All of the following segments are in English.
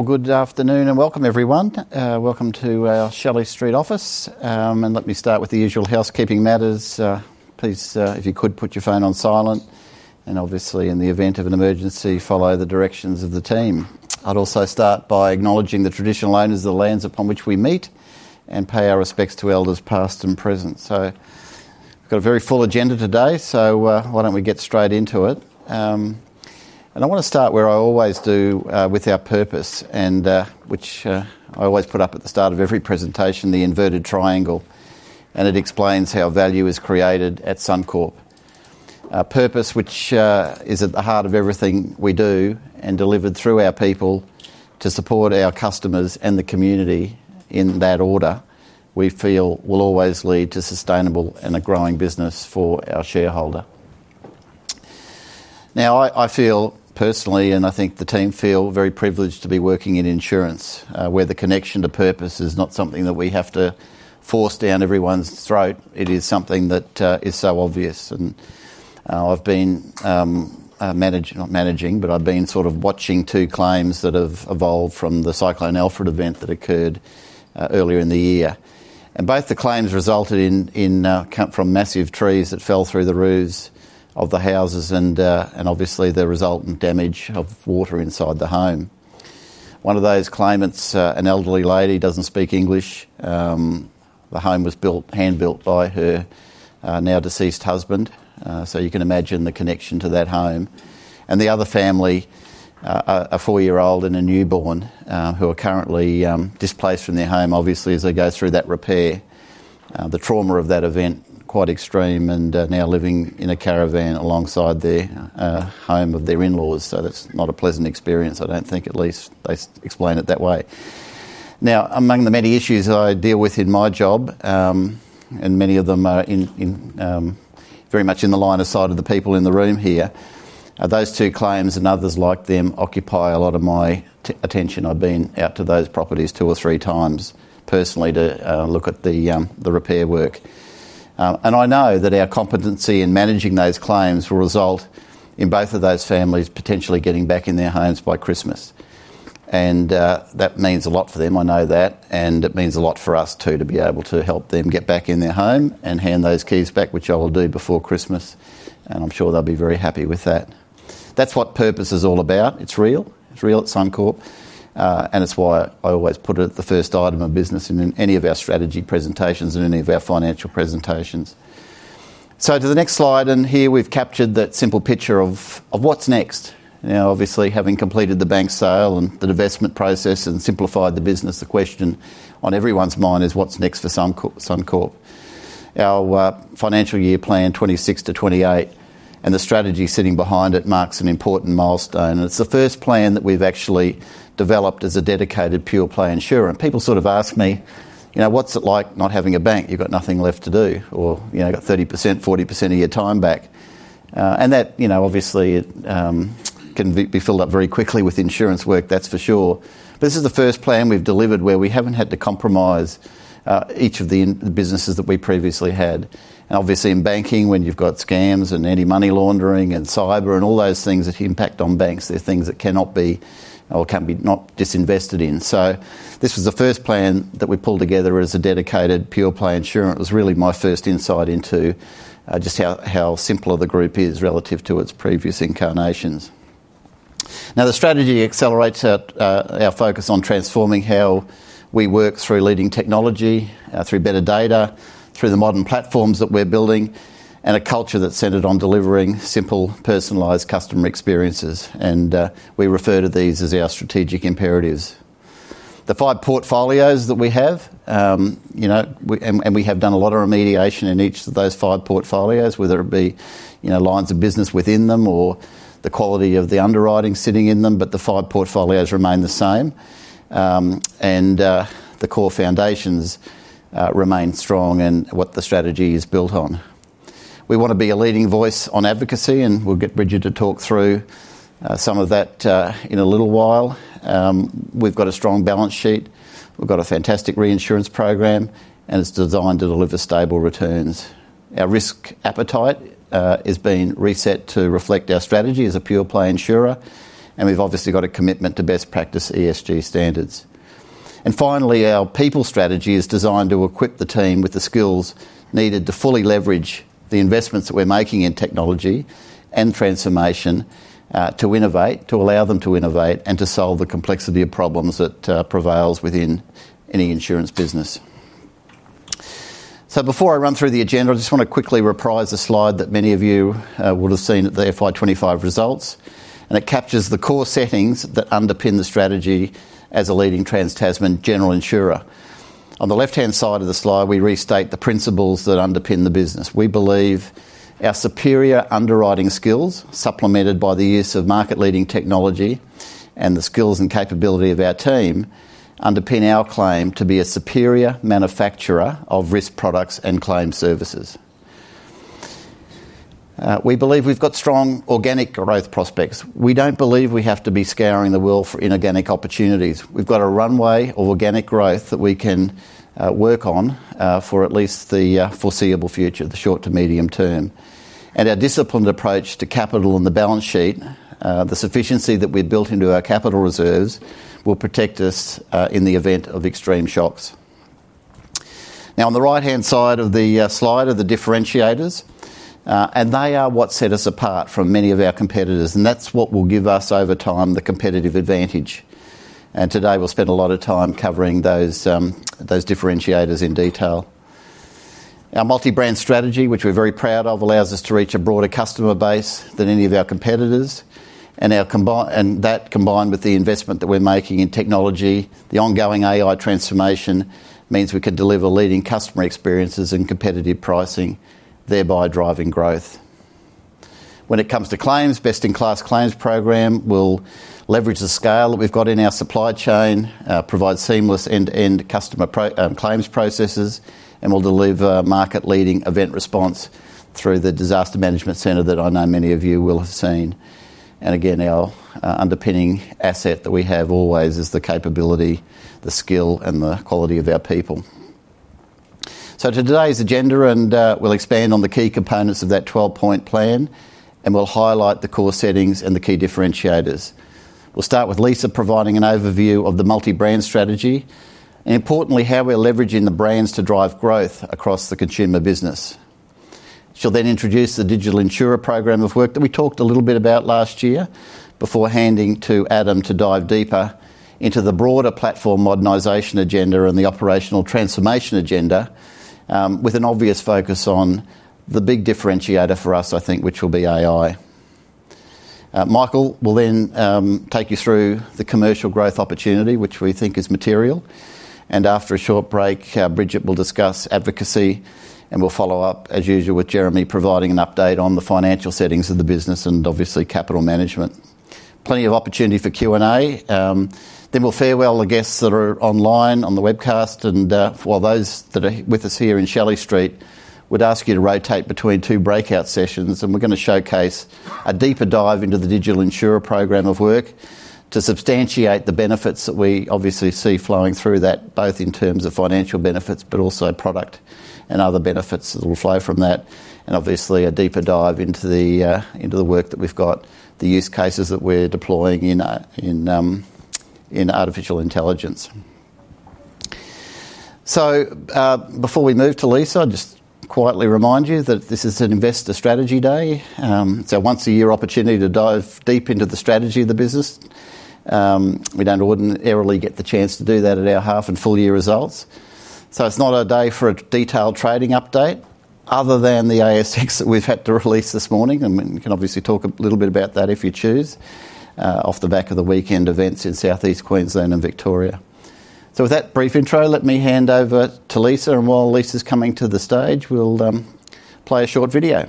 Good afternoon and welcome everyone. Welcome to our Shelley Street office. Let me start with the usual housekeeping matters. Please, if you could put your phone on silent and, obviously, in the event of an emergency, follow the directions of the team. I'd also start by acknowledging the traditional owners of the lands upon which we meet and pay our respects to elders past and present. We have a very full agenda today, so why don't we get straight into it? I want to start where I always do, with our purpose, which I always put up at the start of every presentation, the inverted triangle. It explains how value is created at Suncorp. Purpose, which is at the heart of everything we do and delivered through our people to support our customers and the community, in that order, we feel will always lead to sustainable and a growing business for our shareholder. I feel personally, and I think the team feel, very privileged to be working in insurance where the connection to purpose is not something that we have to force down everyone's throat. It is something that is so obvious. I've been managing, not managing, but I've been sort of watching two claims that have evolved from the Cyclone Alfred event that occurred earlier in the year. Both the claims resulted from massive trees that fell through the roofs of the houses and, obviously, the resultant damage of water inside the home. One of those claimants, an elderly lady, doesn't speak English. The home was hand built by her now deceased husband, so you can imagine the connection to that home. The other family, a 4-year-old and a newborn, are currently displaced from their home, obviously as they go through that repair. The trauma of that event is quite extreme, and they are now living in a caravan alongside the home of their in-laws. That's not a pleasant experience, I don't think, at least they explain it that way. Among the many issues I deal with in my job, and many of them are very much in the line of sight of the people in the room here, those two claims and others like them occupy a lot of my attention. I've been out to those properties two or three times personally to look at the repair work, and I know that our competency in managing those claims will result in both of those families potentially getting back in their homes by Christmas. That means a lot for them, I know that, and it means a lot for us too, to be able to help them get back in their home and hand those keys back, which I will do before Christmas. I'm sure they'll be very happy with that. That's what purpose is all about. It's real. It's real at Suncorp, and it's why I always put it the first item of business in any of our strategy presentations, in any of our financial presentations. To the next slide. Here we've captured that simple picture of what's next. Obviously, having completed the bank sale and the divestment process and simplified the business, the question on everyone's mind is, what's next for Suncorp? Our financial year plan, 2026 to 2028, and the strategy sitting behind it marks an important milestone. It's the first plan that we've actually developed as a dedicated pure play insurer. People sort of ask me, you know, what's it like not having a bank? You've got nothing left to do, or, you know, got 30%, 40% of your time back. That, you know, obviously can be filled up very quickly with insurance work, that's for sure. This is the first plan we've delivered where we haven't had to compromise each of the businesses that we previously had. Obviously in banking, when you've got scams and anti-money laundering and cyber and all those things that impact on banks, they're things that cannot be or can be not disinvested in. This was the first plan that we pulled together as a dedicated pure play insurer. It was really my first insight into just how simpler the group is relative to its previous incarnations. The strategy accelerates our focus on transforming how we work through leading technology, through better data, through the modern platforms that we're building, and a culture that's centered on delivering simple, personalised customer experiences. We refer to these as our strategic imperatives. The five portfolios that we have, and we have done a lot of remediation in each of those five portfolios, whether it be lines of business within them or the quality of the underwriting sitting in them. The five portfolios remain the same and the core foundations remain strong and what the strategy is built on. We want to be a leading voice on advocacy and we'll get Bridget to talk through some of that in a little while. We've got a strong balance sheet, we've got a fantastic reinsurance program and it's designed to deliver stable returns. Our risk appetite is being reset to reflect our strategy as a pure play insurer. We've obviously got a commitment to best practice, ESG standards. Finally, our people strategy is designed to equip the team with the skills needed to fully leverage the investments that we're making in technology and transformation to innovate, to allow them to innovate and to solve the complexity of problems that prevails within any insurance business. Before I run through the agenda, I just want to quickly reprise a slide that many of you will have seen at the FY 2025 results, and it captures the core settings that underpin the strategy. As a leading Trans Tasman general insurer, on the left hand side of the slide, we restate the principles that underpin the business. We believe our superior underwriting skills, supplemented by the use of market leading technology and the skills and capability of our team, underpin our claim to be a superior manufacturer of risk products and claim services. We believe we've got strong organic growth prospects. We don't believe we have to be scouring the world for inorganic opportunities. We've got a runway of organic growth that we can work on for at least the foreseeable future, the short to medium term, and our disciplined approach to capital and the balance sheet, the sufficiency that we built into our capital reserves, will protect us in the event of extreme shocks. On the right hand side of the slide are the differentiators, and they are what set us apart from many of our competitors. That's what will give us over time the competitive advantage, and today we'll spend a lot of time covering those differentiators in detail. Our multi-brand strategy, which we're very proud of, allows us to reach a broader customer base than any of our competitors. That, combined with the investment that we're making in technology, the ongoing AI transformation, means we can deliver leading customer experiences and competitive pricing, thereby driving growth when it comes to claims. Best in class claims program will leverage the scale that we've got in our supply chain, provide seamless end to end customer claims processes, and will deliver market leading event response through the disaster management centre that I know many of you will have seen. Again, our underpinning asset that we have always is the capability, the skill, and the quality of our people. Today's agenda will expand on the key components of that 12-point plan and highlight the core settings and key differentiators. We'll start with Lisa providing an overview of the multi-brand strategy and, importantly, how we're leveraging the brands to drive growth across the consumer business. She'll then introduce the Digital Insurer program of work that we talked a little bit about last year before handing to Adam to dive deeper into the broader platform modernization agenda and the operational transformation agenda, with an obvious focus on the big differentiator for us, which will be AI. Michael will then take you through the commercial growth opportunity, which we think is material. After a short break, Bridget will discuss advocacy, and we'll follow-up as usual with Jeremy providing an update on the financial settings of the business and, obviously, capital management. There will be plenty of opportunity for Q&A. We'll then farewell the guests that are online on the webcast, and those that are with us here in Shelley Street, we would ask you to rotate between two breakout sessions. We're going to showcase a deeper dive into the Digital Insurer program of work to substantiate the benefits that we see flowing through that, both in terms of financial benefits, but also product and other benefits that will flow from that. There will also be a deeper dive into the work that we've got, the use cases that we're deploying in artificial intelligence. Before we move to Lisa, I'd quietly remind you that this is an investor strategy day. It's a once-a-year opportunity to dive deep into the strategy of the business. We don't ordinarily get the chance to do that at our half and full year results. It's not a day for a detailed trading update other than the ASX that we've had to release this morning. We can talk a little bit about that if you choose, off the back of the weekend events in South East Queensland and Victoria. With that brief intro, let me hand over to Lisa, and while Lisa's coming to the stage, we'll play a short video.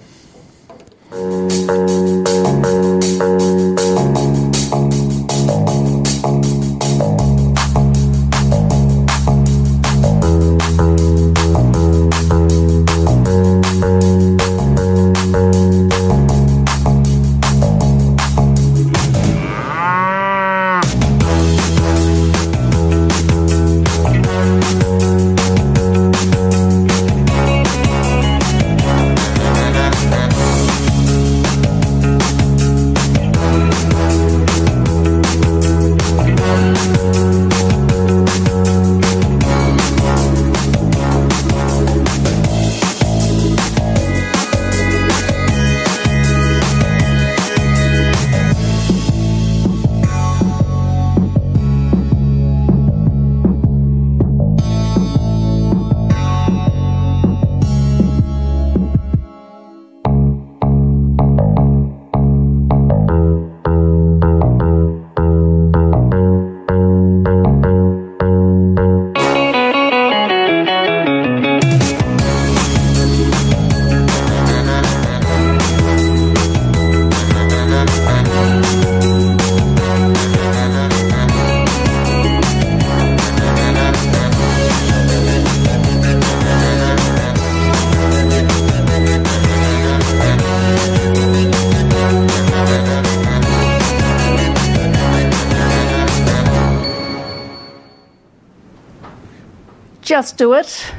Just do it.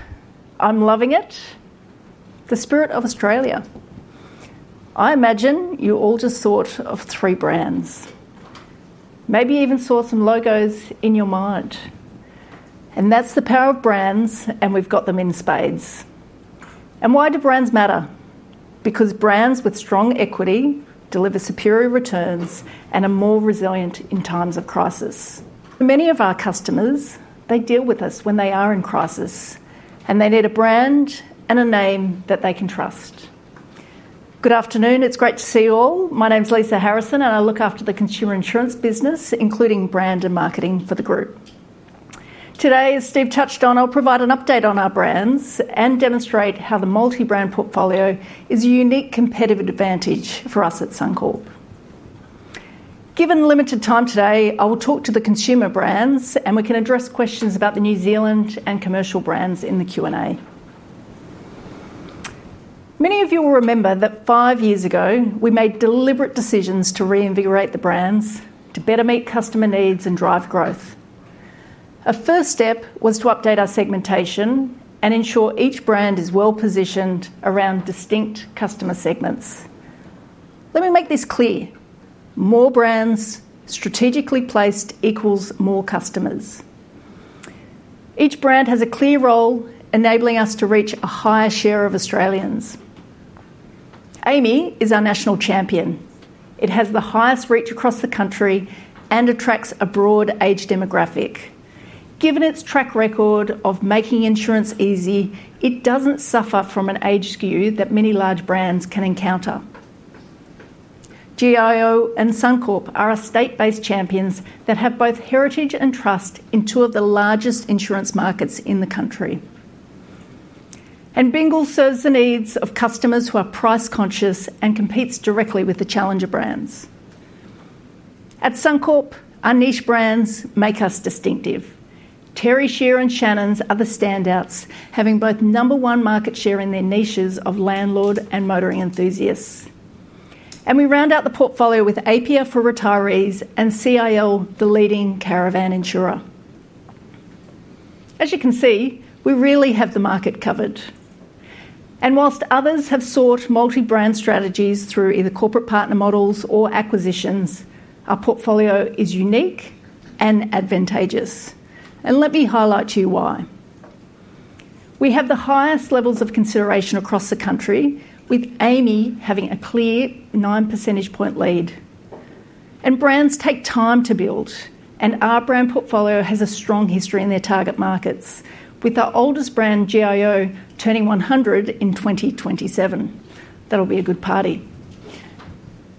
I'm loving it. The spirit of Australia. I imagine you all just thought of three brands. Maybe you even saw some logos in your mind. That's the power of brands and we've got them in spades. Why do brands matter? Brands with strong equity deliver superior returns and are more resilient in times of crisis. Many of our customers deal with us when they are in crisis and they need a brand and a name that they can trust. Good afternoon, it's great to see you all. My name's Lisa Harrison and I look after the consumer insurance business, including brand and marketing for the group. Today, as Steve touched on, I'll provide an update on our brands and demonstrate how the multi-brand portfolio is a unique competitive advantage for us at Suncorp. Given limited time today, I will talk to the consumer brands and we can address questions about the New Zealand and commercial brands in the Q&A. Many of you will remember that five years ago we made deliberate decisions to reinvigorate the brands to better meet customer needs and drive growth. A first step was to update our segmentation and ensure each brand is well positioned and around distinct customer segments. Let me make this clear. More brands strategically placed equals more customers. Each brand has a clear role enabling us to reach a higher share of Australians. AAMI is our national champion. It has the highest reach across the country and attracts a broad age demographic. Given its track record of making insurance easy, it doesn't suffer from an age skew that many large brands can encounter. GIO and Suncorp are state-based champions that have both heritage and trust in two of the largest insurance markets in the country. Bingle serves the needs of customers who are price conscious and competes directly with the challenger brands. At Suncorp, our niche brands make us distinctive. Terri Scheer and Shannons are the standouts, having both number one market share in their niches of landlord and motoring enthusiasts. We round out the portfolio with APIA for retirees and CIL, the leading caravan insurer. As you can see, we really have the market covered. Whilst others have sought multi-brand strategies through either corporate partner models or acquisitions, our portfolio is unique and advantageous. Let me highlight to you why. We have the highest levels of consideration across the country with AAMI having a clear 9% point lead, and brands take time to build, and our brand portfolio has a strong history in their target markets. With our oldest brand GIO turning 100 in 2027, that'll be a good party.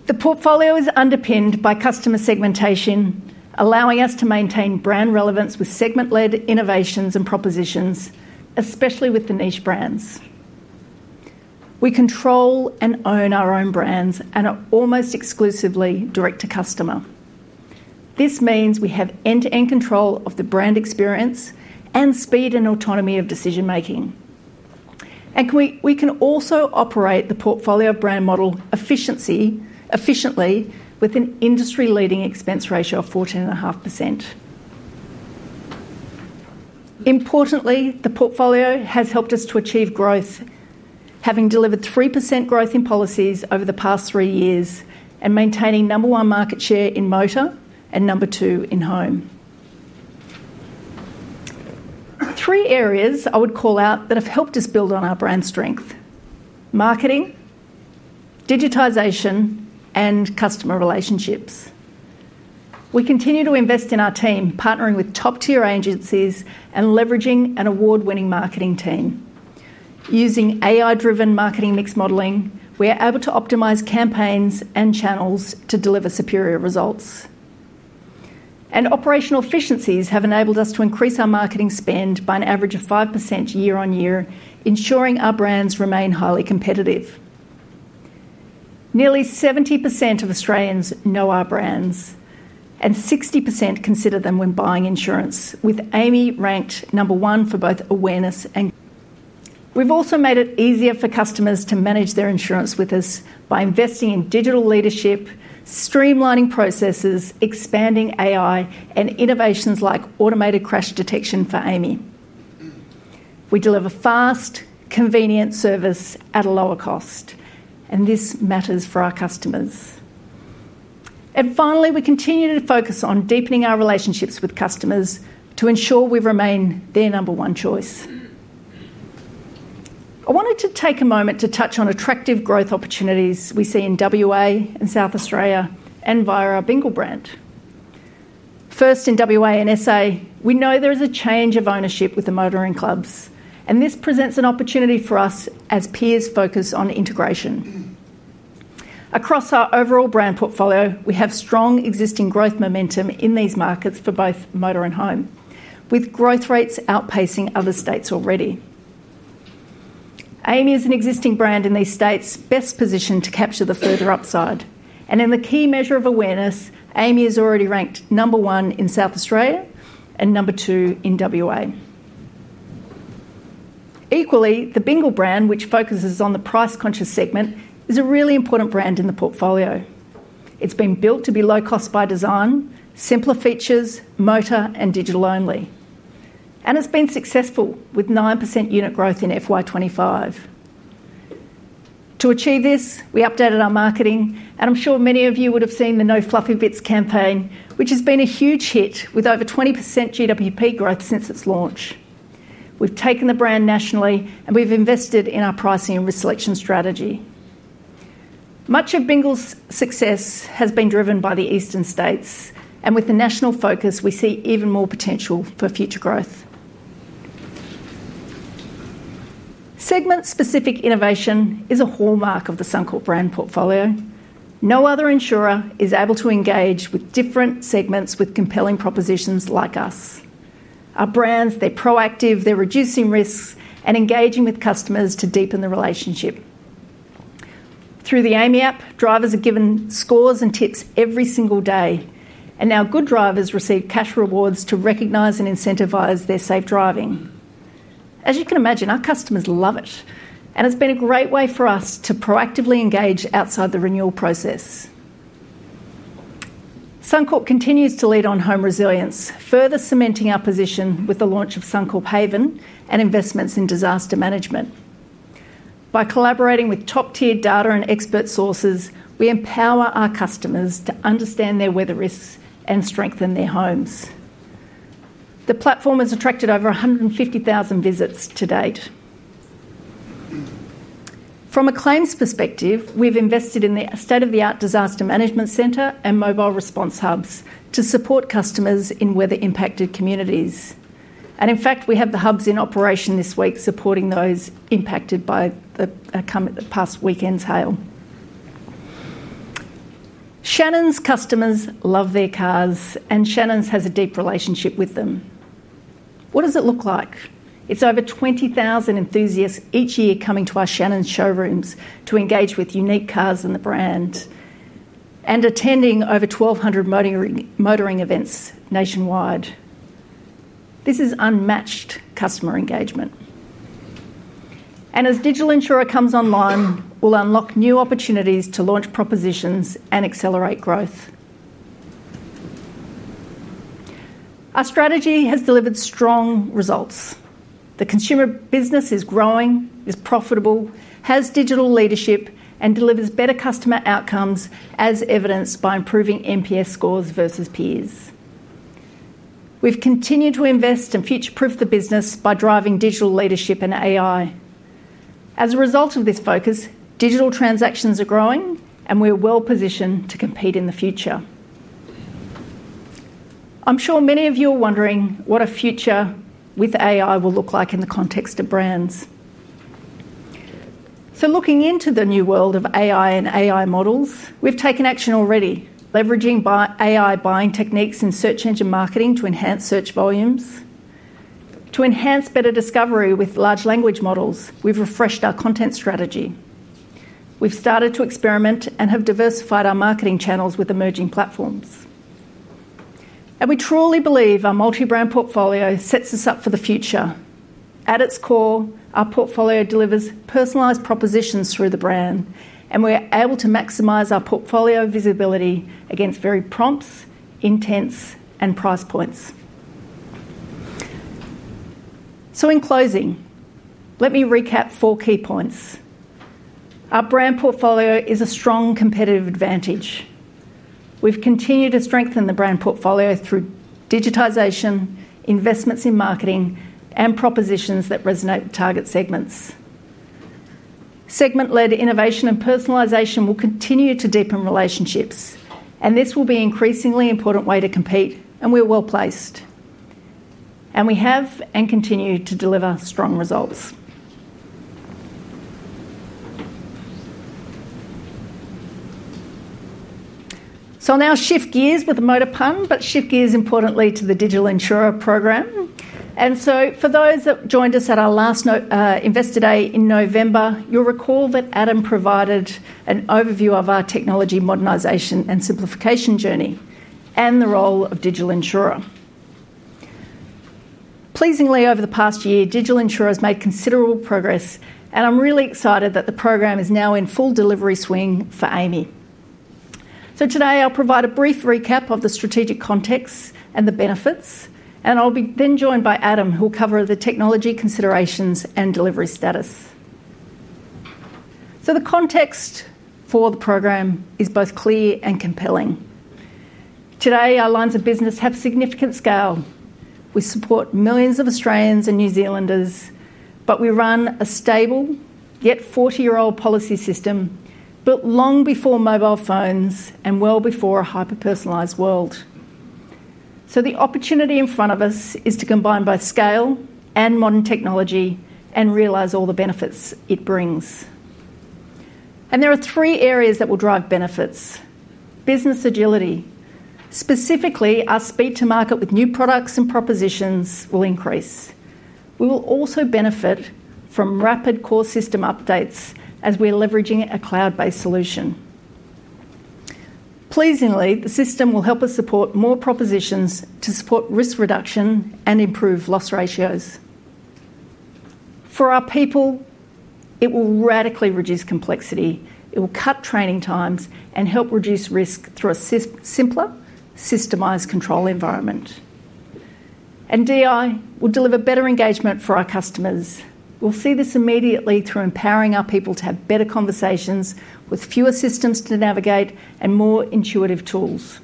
The portfolio is underpinned by customer segmentation, allowing us to maintain brand relevance with segment-led innovations and propositions, especially with the niche brands. We control and own our own brands and are almost exclusively direct to customer. This means we have end-to-end control of the brand experience and speed and autonomy of decision making. We can also operate the portfolio brand model efficiently with an industry-leading expense ratio of 14.5%. Importantly, the portfolio has helped us to achieve growth, having delivered 3% growth in policies over the past three years and maintaining number one market share in motor and number two in home. Three areas I would call out that have helped us build on are our brand marketing, digitisation, and customer relationships. We continue to invest in our team, partnering with top-tier agencies and leveraging an award-winning marketing team. Using AI-driven marketing mix modeling, we are able to optimise campaigns and channels to deliver superior results, and operational efficiencies have enabled us to increase our marketing spend by an average of 5% year on year, ensuring our brands remain highly competitive. Nearly 70% of Australians know our brands, and 60% consider them when buying insurance, with AAMI ranked number one for both awareness. We've also made it easier for customers to manage their insurance with us by investing in digital leadership, streamlining processes, expanding AI, and innovations like automated crash detection. For AAMI, we deliver fast, convenient service at a lower cost, and this matters for our customers. Finally, we continue to focus on deepening our relationships with customers to ensure we remain their number one choice. I wanted to take a moment to touch on attractive growth opportunities we see in WA and South Australia and via our Bingle brand. First, in WA and SA, we know there is a change of ownership with the motoring clubs, and this presents an opportunity for us as peers focus on integration across our overall brand portfolio. We have strong existing growth momentum in these markets for both motor and home, with growth rates outpacing other states already. AAMI is an existing brand in these states best positioned to capture the further upside. In the key measure of awareness, AAMI is already ranked number one in South Australia and number two in WA. Equally, the Bingle brand, which focuses on the price conscious segment, is a really important brand in the portfolio. It's been built to be low cost by design, simpler features, motor and digital only, and it's been successful with 9% unit growth in FY 2025. To achieve this, we updated our marketing and I'm sure many of you would have seen the No Fluffy Bits campaign, which has been a huge hit with over 20% GWP growth since its launch. We've taken the brand nationally and we've invested in our pricing and risk selection strategy. Much of Bingle's success has been driven by the eastern states and with the national focus we see even more potential for future growth. Segment specific innovation is a hallmark of the Suncorp brand portfolio. No other insurer is able to engage with different segments with compelling propositions like us. Our brands, they're proactive, they're reducing risk and engaging with customers to deepen the relationship. Through the AAMI app, drivers are given scores and tips every single day and our good drivers receive cash rewards to recognize and incentivize their safe driving. As you can imagine, our customers love it and it's been a great way for us to proactively engage outside the renewal process. Suncorp continues to lead on home resilience, further cementing our position with the launch of Suncorp Haven and investments in disaster management. By collaborating with top tier data and expert sources, we empower our customers to understand their weather risks and strengthen their homes. The platform has attracted over 150,000 visits to date. From a claims perspective, we've invested in the state-of-the-art disaster management center and mobile response hubs to support customers in weather impacted communities, and in fact we have the hubs in operation this week supporting those impacted by the past weekend's hail. Shannons customers love their cars and Shannons has a deep relationship with them. What does it look like? It's over 20,000 enthusiasts each year coming to our Shannons showrooms to engage with unique cars in the brand and attending over 1,200 motoring events nationwide. This is unmatched customer engagement and as Digital Insurer comes online, we'll unlock new opportunities to launch propositions and accelerate growth. Our strategy has delivered strong results. The consumer business is growing, is profitable, has digital leadership, and delivers better customer outcomes as evidenced by improving NPS scores versus peers. We've continued to invest and future proof the business by driving digital leadership and AI. As a result of this focus, digital transactions are growing and we're well positioned to compete in the future. I'm sure many of you are wondering what a future with AI will look like in the context of brands. Looking into the new world of AI and AI models, we've taken action already leveraging AI buying techniques in search engine marketing to enhance search volumes, to enhance better discovery with large language models. We've refreshed our content strategy, we've started to experiment, and have diversified our marketing channels with emerging platforms, and we truly believe our multi-brand portfolio sets us up for the future. At its core, our portfolio delivers personalised propositions through the brand and we're able to maximise our portfolio visibility against very prompts, intents, and price points. In closing, let me recap four key points. Our brand portfolio is a strong competitive advantage. We've continued to strengthen the brand portfolio through digitisation, investments in marketing, and propositions that resonate with target segments. Segment-led innovation and personalisation will continue to deepen relationships and this will be an increasingly important way to compete. We're well placed and we have and continue to deliver strong results. I'll now shift gears with the motor pun, but shift gears importantly to the Digital Insurer program. For those that joined us at our last investor day in November, you'll recall that Adam provided an overview of our technology, modernisation, and simplification journey and the role of Digital Insurer. Pleasingly, over the past year Digital Insurer has made considerable progress and I'm really excited that the program is now in full delivery swing for AAMI. Today I'll provide a brief recap of the strategic context and the benefits. I'll be then joined by Adam who will cover the technology considerations and delivery status. The context for the program is both clear and compelling. Today our lines of business have significant scale. We support millions of Australians and New Zealanders, but we run a stable yet 40-year-old policy system built long before mobile phones and well before a hyper-personalized world. The opportunity in front of us is to combine both scale and modern technology and realize all the benefits it brings. There are three areas that will drive benefits. Business agility. Specifically, our speed to market with new products and propositions will increase. We will also benefit from rapid core system updates as we are leveraging a cloud-based solution. Pleasingly, the system will help us support more propositions to support risk reduction and improve loss ratios for our people. It will radically reduce complexity. It will cut training times and help reduce risk through a simpler, systemized control environment. DI will deliver better engagement for our customers. We'll see this immediately through empowering our people to have better conversations with fewer systems to navigate and more intuitive tools.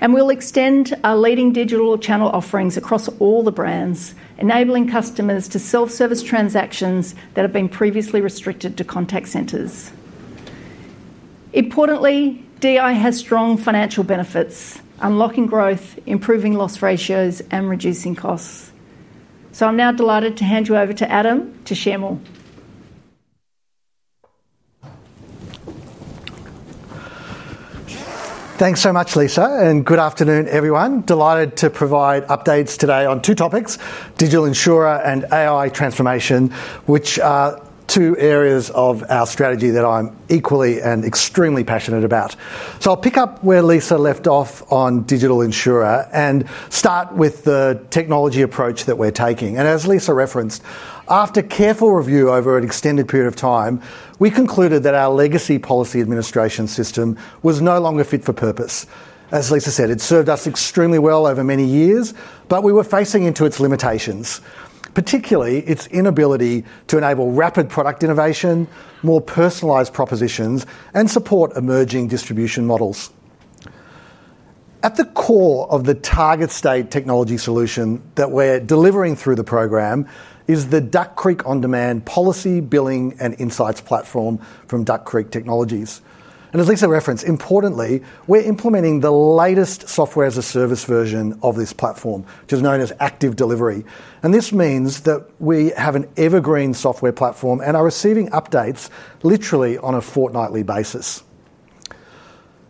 We'll extend our leading digital channel offerings across all the brands, enabling customers to self-service transactions that have been previously restricted to contact centers. Importantly, DI has strong financial benefits, unlocking growth, improving loss ratios, and reducing costs. I'm now delighted to hand you over to Adam to share more. Thanks so much, Lisa, and good afternoon everyone. Delighted to provide updates today on two topics, Digital Insurer and AI Transformation, which are two areas of our strategy that I'm equally and extremely passionate about. I'll pick up where Lisa left off on Digital Insurer and start with the technology approach that we're taking. As Lisa referenced, after careful review over an extended period of time, we concluded that our legacy policy administration system was no longer fit for purpose. As Lisa said, it served us extremely well over many years, but we were facing into its limitations, particularly its inability to enable rapid product innovation, more personalized propositions, and support emerging distribution models. At the core of the target state technology solution that we're delivering through the program is the Duck Creek OnDemand Policy, Billing and Insights platform from Duck Creek Technologies. As Lisa referenced, importantly, we're implementing the latest software as a service version of this platform, which is known as Active Delivery. This means that we have an evergreen software platform and are receiving updates literally on a fortnightly basis.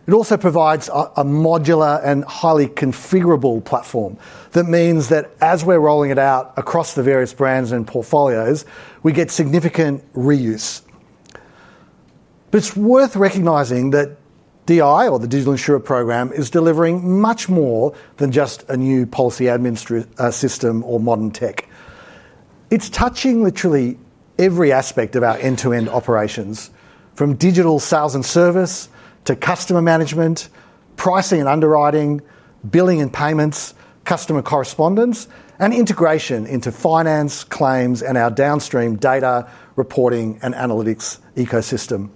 It also provides a modular and highly configurable platform. That means that as we're rolling it out across the various brands and portfolios, we get significant reuse. It's worth recognizing that DI, or the Digital Insurer program, is delivering much more than just a new policy administration system or modern tech. It's touching literally every aspect of our end-to-end operations, from digital sales and service to customer management, pricing and underwriting, billing and payments, customer correspondence, and integration into finance, claims, and our downstream data reporting and analytics ecosystem.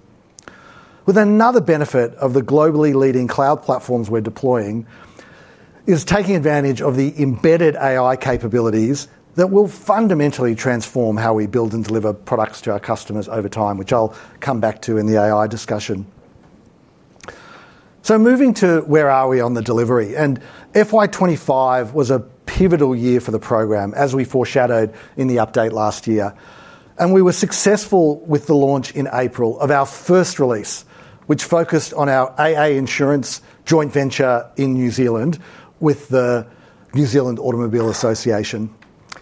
Another benefit of the globally leading cloud platforms we're deploying is taking advantage of the embedded AI capabilities that will fundamentally transform how we build and deliver products to our customers over time, which I'll come back to in the AI discussion. Moving to where we are on the delivery, FY 2025 was a pivotal year for the program as we foreshadowed in the update last year, and we were successful with the launch in April of our first release, which focused on our AAI joint venture in New Zealand with the New Zealand Automobile Association.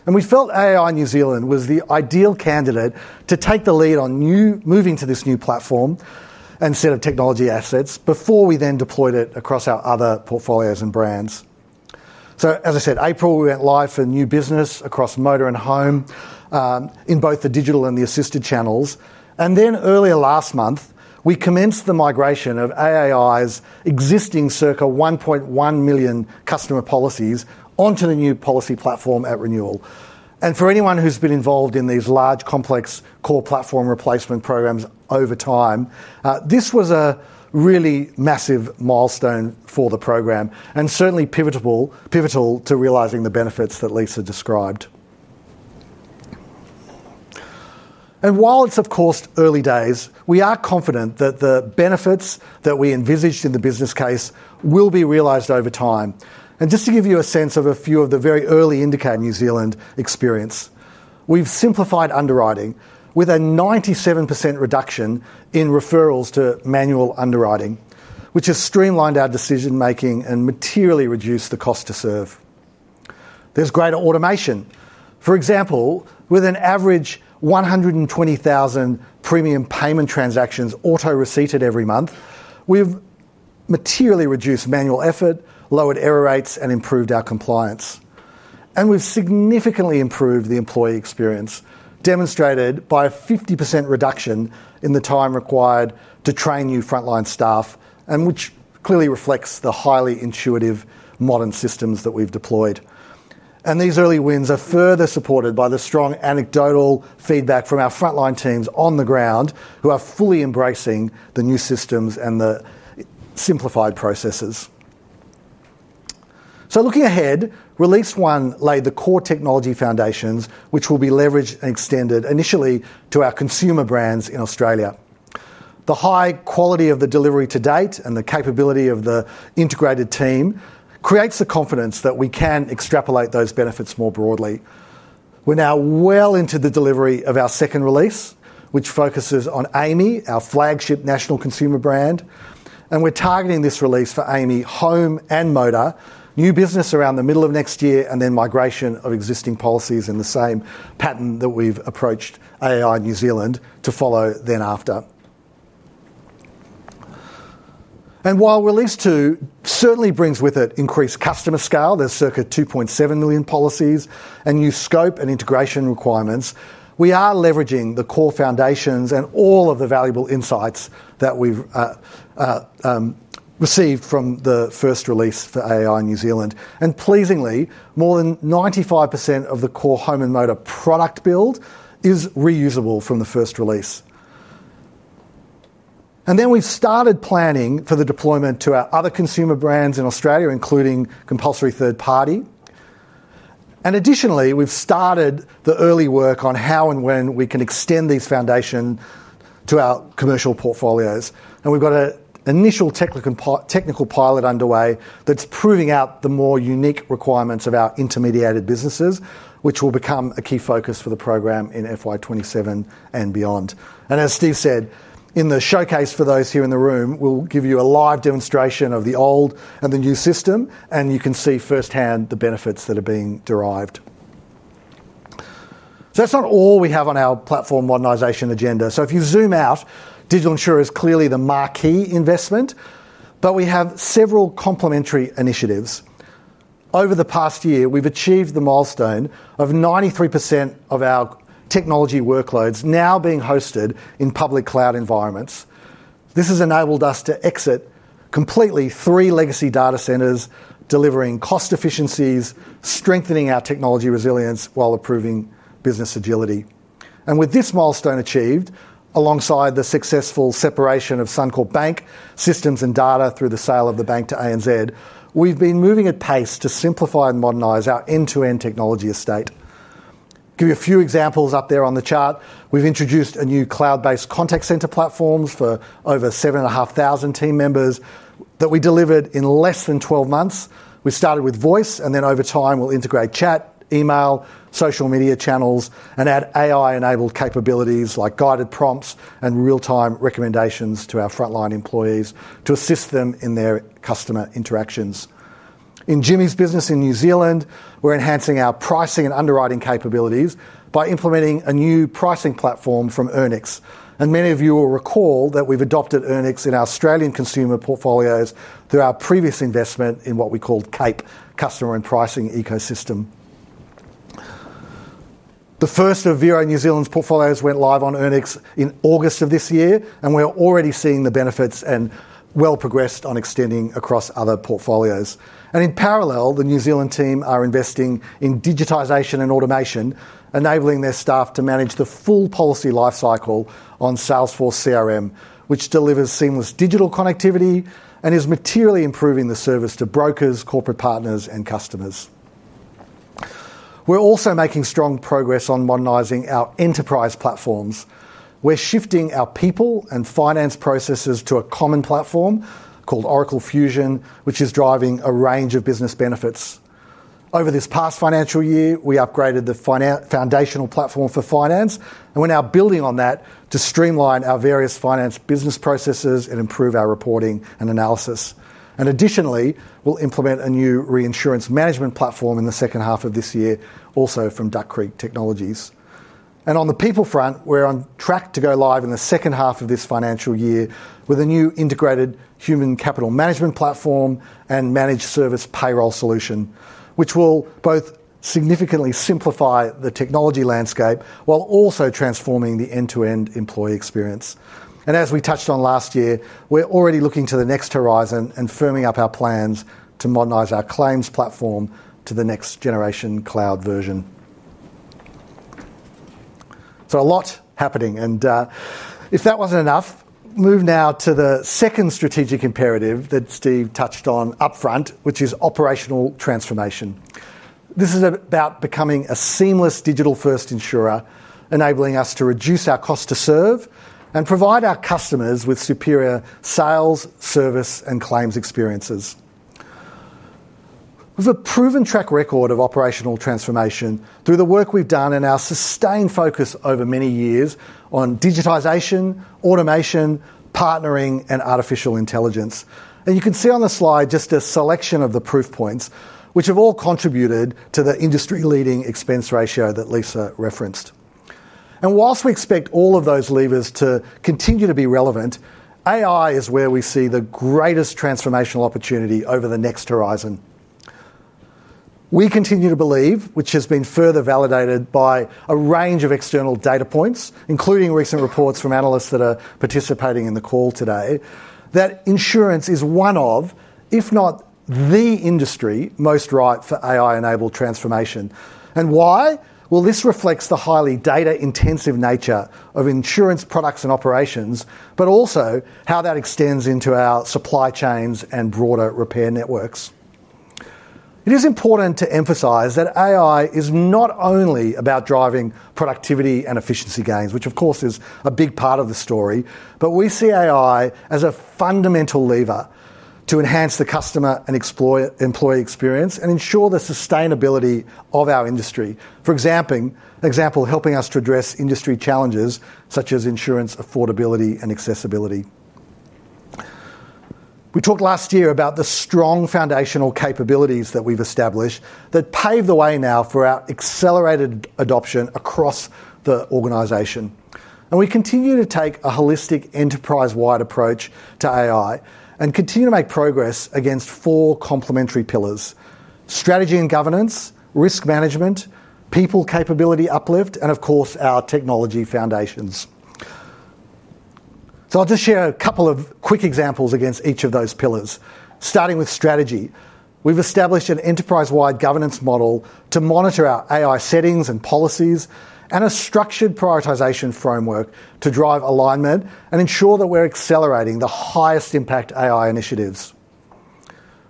We felt AA New Zealand was the ideal candidate to take the lead on moving to this new platform and set of technology assets before we then deployed it across our other portfolios and brands. As I said, in April, we went live for new business across motor and home in both the digital and the assisted channels. Earlier last month, we commenced the migration of AAI's existing circa 1.1 million customer policies onto the new policy platform at renewal. For anyone who's been involved in these large, complex core platform replacement programs over time, this was a really massive milestone for the program and certainly pivotal to realizing the benefits that Lisa described. While it's of course early days, we are confident that the benefits that we envisaged in the business case will be realized over time. Just to give you a sense of a few of the very early AAI New Zealand experience, we've simplified underwriting with a 97% reduction in referrals to manual underwriting, which has streamlined our decision making and materially reduced the cost to serve. There's greater automation, for example, with an average 120,000 premium payment transactions automatically auto receipted every month. We've materially reduced manual effort, lowered error rates, and improved our compliance. We've significantly improved the employee experience, demonstrated by a 50% reduction in the time required to train new frontline staff, which clearly reflects the highly intuitive modern systems that we've deployed. These early wins are further supported by the strong anecdotal feedback from our frontline teams on the ground who are fully embracing the new systems and the simplified processes. Looking ahead, Release one laid the core technology foundations which will be leveraged and extended initially to our consumer brands in Australia. The high quality of the delivery to date and the capability of the integrated team creates the confidence that we can extrapolate those benefits more broadly. We're now well into the delivery of our second release, which focuses on AAMI, our flagship national consumer brand, and we're targeting this release for AAMI Home and Motor new business around the middle of next year, and then migration of existing policies in the same pattern that we've approached AAI in New Zealand to follow then after. While Release 2 certainly brings with it increased customer scale, there's circa 2.7 million policies and new scope and integration requirements. We are leveraging the core foundations and all of the valuable insights that we've received from the first release for AAI in New Zealand. Pleasingly, more than 95% of the core Home and Motor product build is reusable from the first release. We've started planning for the deployment to our other consumer brands in Australia, including compulsory third party, and additionally we've started the early work on how and when we can extend these foundations to our commercial portfolios. We've got an initial technical pilot underway that's proving out the more unique requirements of our intermediated businesses, which will become a key focus for the program in FY 2027 and beyond. As Steve said in the showcase for those here in the room, we'll give you a live demonstration of the old and the new system, and you can see firsthand the benefits that are being derived. That's not all we have on our platform modernization agenda. If you zoom out, Digital Insurer is clearly the marquee investment, but we have several complementary initiatives. Over the past year, we've achieved the milestone of 93% of our technology workloads now being hosted in public cloud environments. This has enabled us to exit completely three legacy data centers, delivering cost efficiencies and strengthening our technology resilience while improving business agility. With this milestone achieved alongside the successful separation of Suncorp Bank systems and data through the sale of the bank to ANZ, we've been moving at pace to simplify and modernize our end-to-end technology estate. To give you a few examples up there on the chart, we've introduced a new cloud-based contact center platform for over 7,500 team members that we delivered in less than 12 months. We started with voice, and then over time we'll integrate chat, email, social media channels, and add AI-enabled capabilities like guided prompts and real-time recommendations to our frontline employees to assist them in their customer interactions. In Jimmy's business in New Zealand, we're enhancing our pricing and underwriting capabilities by implementing a new pricing platform from Earnix, and many of you will recall that we've adopted Earnix in our Australian consumer portfolios through our previous investment in what we called Cape Customer and pricing ecosystem. The first of Vero New Zealand's portfolios went live on Earnix in August of this year, and we are already seeing the benefits and well progressed on extending across other portfolios. In parallel, the New Zealand team are investing in digitization and automation, enabling their staff to manage the full policy lifecycle on Salesforce CRM, which delivers seamless digital connectivity and is materially improving the service to brokers, corporate partners, and customers. We're also making strong progress on modernizing our enterprise platforms. We're shifting our people and finance processes to a common platform called Oracle Fusion, which is driving a range of business benefits. Over this past financial year, we upgraded the foundational platform for finance, and we're now building on that to streamline our various finance business processes and improve our reporting and analysis. Additionally, we'll implement a new reinsurance management platform in the second half of this year, also from Duck Creek Technologies. On the people front, we're on track to go live in the second half of this financial year with a new integrated human capital management platform and managed service payroll solution, which will both significantly simplify the technology landscape while also transforming the end-to-end employee experience. As we touched on last year, we're already looking to the next horizon and firming up our plans to modernize our claims platform to the next generation cloud version. A lot is happening, and if that wasn't enough, move now to the second strategic imperative that Steve touched on upfront, which is operational transformation. This is about becoming a seamless digital-first insurer, enabling us to reduce our cost to serve and provide our customers with superior sales, service, and claims experiences, with a proven track record of operational transformation through the work we've done and our sustained focus over many years on digitization, automation, partnering, and artificial intelligence. You can see on the slide just a selection of the proof points which have all contributed to the industry-leading expense ratio that Lisa referenced. Whilst we expect all of those levers to continue to be relevant, AI is where we see the greatest transformational opportunity over the next horizon. We continue to believe, which has been further validated by a range of external data points, including recent reports from analysts that are participating in the call today, that insurance is one of, if not the industry most ripe for AI-enabled transformation. This reflects the highly data-intensive nature of insurance products and operations, but also how that extends into our supply chains and broader repair networks. It is important to emphasize that AI is not only about driving productivity and efficiency gains, which of course is a big part of the story. We see AI as a fundamental lever to enhance the customer and employee experience and ensure the sustainability of our industry, for example, helping us to address industry challenges such as insurance affordability and accessibility. We talked last year about the strong foundational capabilities that we've established that pave the way now for our accelerated adoption across the organization. We continue to take a holistic enterprise-wide approach to AI and continue to make progress against four complementary pillars: Strategy and Governance, Risk Management, People Capability Uplift, and of course our technology foundations. I'll just share a couple of quick examples against each of those pillars. Starting with strategy, we've established an enterprise-wide governance model to monitor our AI settings and policies and a structured prioritization framework to drive alignment and ensure that we're accelerating the highest impact AI initiatives.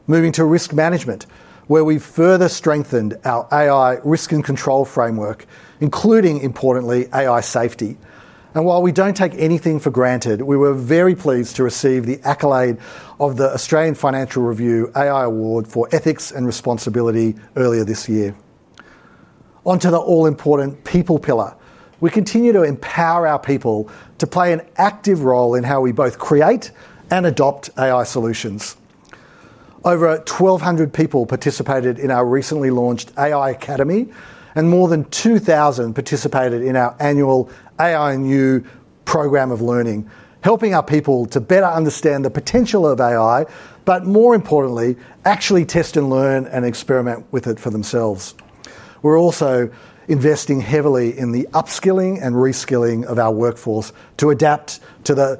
Moving to risk management, we've further strengthened our AI risk and control framework, including importantly AI safety. While we don't take anything for granted, we were very pleased to receive the accolade of the Australian Financial Review AI Award for Ethics and Responsibility earlier this year. Onto the all-important People pillar, we continue to empower our people to play an active role in how we both create and adopt AI solutions. Over 1,200 people participated in our recently launched AI Academy and more than 2,000 participated in our annual AI new program of Learning, helping our people to better understand the potential of AI, but more importantly actually test and learn and experiment with it for themselves. We're also investing heavily in the upskilling and reskilling of our workforce to adapt to the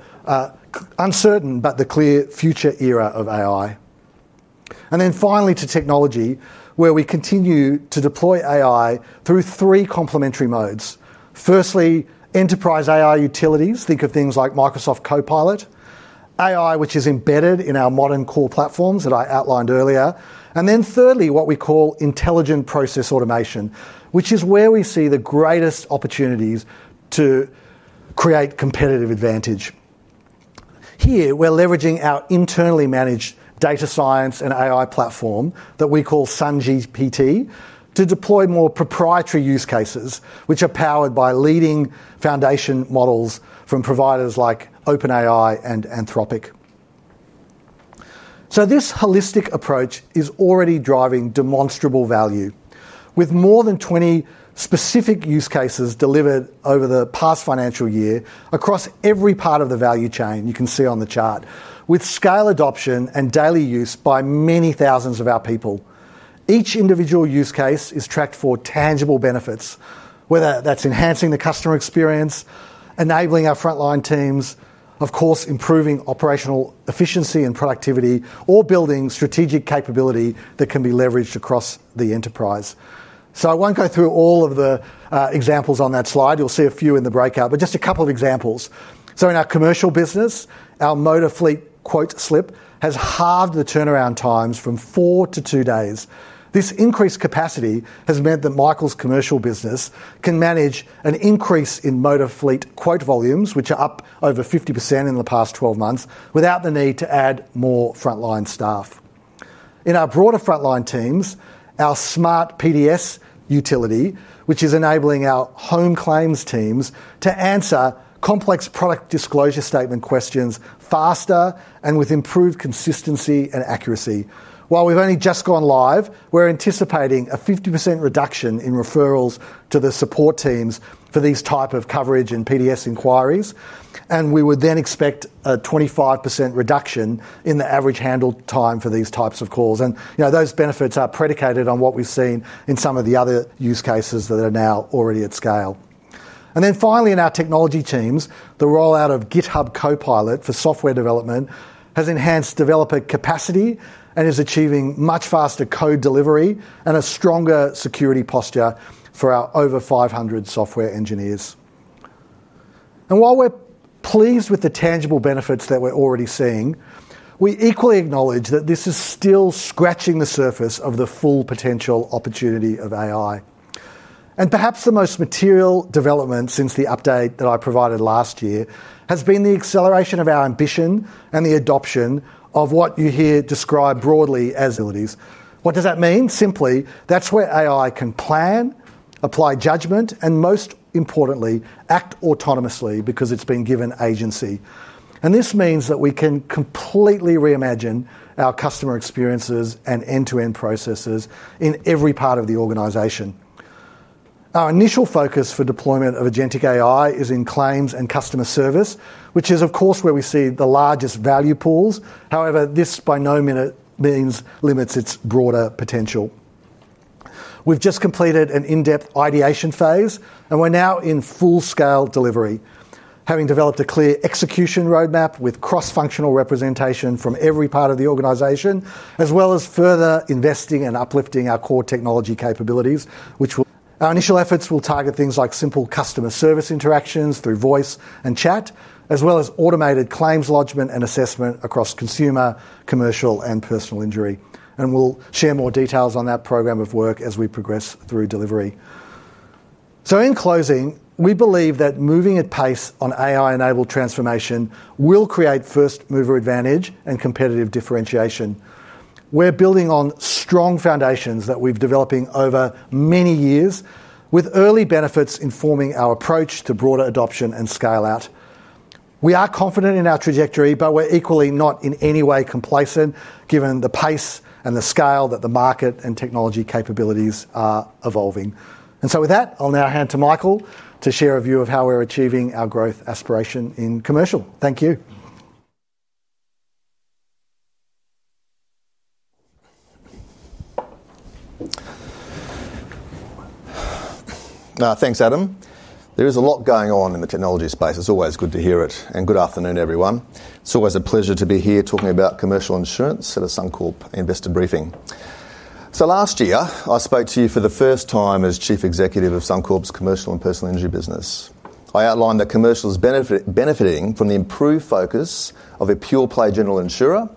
uncertain but the clear future era of AI. Finally, to technology where we continue to deploy AI through three complementary modes. Firstly, enterprise AI utilities, think of things like Microsoft Copilot AI, which is embedded in our modern core platforms that I outlined earlier. Thirdly, what we call Intelligent Process Automation, which is where we see the greatest opportunities to create competitive advantage. Here we're leveraging our internally managed data science and AI platform that we call San GPT to deploy more proprietary use cases which are powered by leading foundation models from providers like OpenAI and Anthropic. This holistic approach is already driving demonstrable value with more than 20 specific use cases delivered over the past financial year across every part of the value chain you can see on the chart with scale adoption and daily use by many thousands of our people. Each individual use case is tracked for tangible benefits, whether that's enhancing the customer experience, enabling our frontline teams, improving operational efficiency and productivity, or building strategic capability that can be leveraged across the enterprise. I won't go through all of the examples on that slide. You'll see a few in the breakout, but just a couple of examples. In our commercial business, our motor fleet quote slip has halved the turnaround times from four to two days. This increased capacity has meant that Michael's commercial business can manage an increase in motor fleet quote volumes, which are up over 50% in the past 12 months, without the need to add more frontline staff. In our broader frontline teams, our smart PDS utility, which is enabling our home claims teams to answer complex product disclosure statement questions faster and with improved consistency and accuracy. While we've only just gone live, we're anticipating a 50% reduction in referrals to the support teams for these type of coverage and PDS inquiries, and we would then expect a 25% reduction in the average handle time for these types of calls. Those benefits are predicated on what we've seen in some of the other use cases that are now already at scale. Finally, in our technology teams, the rollout of GitHub Copilot for software development has enhanced developer capacity and is achieving much faster code delivery and a stronger security posture for our over 500 software engineers. While we're pleased with the tangible benefits that we're already seeing, we equally acknowledge that this is still scratching the surface of the full potential opportunity of AI. Perhaps the most material development since the update that I provided last year has been the acceleration of our ambition and the adoption of what you hear described broadly as abilities. What does that mean? Simply, that's where AI can plan, apply judgment, and most importantly act autonomously because it's been given agency. This means that we can completely reimagine our customer experiences and end-to-end processes in every part of the organization. Our initial focus for deployment of agentic AI is in claims and customer service, which is of course where we see the largest value pools. However, this by no means limits its broader potential. We've just completed an in-depth ideation phase and we're now in full-scale delivery, having developed a clear execution roadmap with cross-functional representation from every part of the organization as well as further investing and uplifting our core technology capabilities. Our initial efforts will target things like simple customer service interactions through voice and chat as well as automated claims lodgement and assessment across consumer, commercial, and personal injury, and we'll share more details on that program of work as we progress through delivery. In closing, we believe that moving at pace on AI-enabled transformation will create first-mover advantage and competitive differentiation. We're building on strong foundations that we've developed over many years with early benefits informing our approach to broader adoption and scale out. We are confident in our trajectory, but we're equally not in any way complacent given the pace and the scale that the market and technology capabilities are evolving. With that, I'll now hand to Michael to share a view of how we're achieving our growth aspiration in commercial. Thank you. Thanks Adam. There is a lot going on in the technology space. It's always good to hear it and good afternoon everyone. It's always a pleasure to be here talking about commercial insurance at a Suncorp investor briefing. Last year I spoke to you for the first time as Chief Executive of Suncorp's Commercial and Personal Injury business. I outlined that commercial is benefiting from the improved focus of a pure play general insurer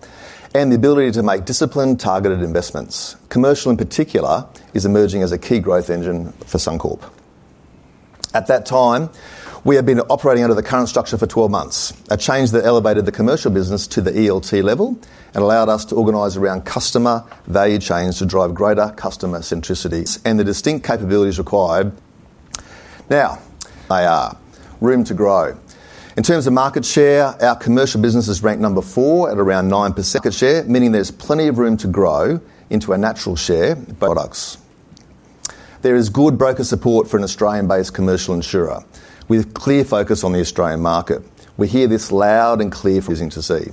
and the ability to make disciplined, targeted investments. Commercial in particular is emerging as a key growth engine for Suncorp at that time. We have been operating under the current structure for 12 months, a change that elevated the commercial business to the ELT level and allowed us to organize around customer value chains to drive greater customer centricity and the distinct capabilities required. Now there is room to grow in terms of market share. Our commercial business is ranked number four at around 9% market share, meaning there's plenty of room to grow into a natural share of products. There is good broker support for an Australian-based commercial insurer with clear focus on the Australian market. We hear this loud and clear, pleasing to see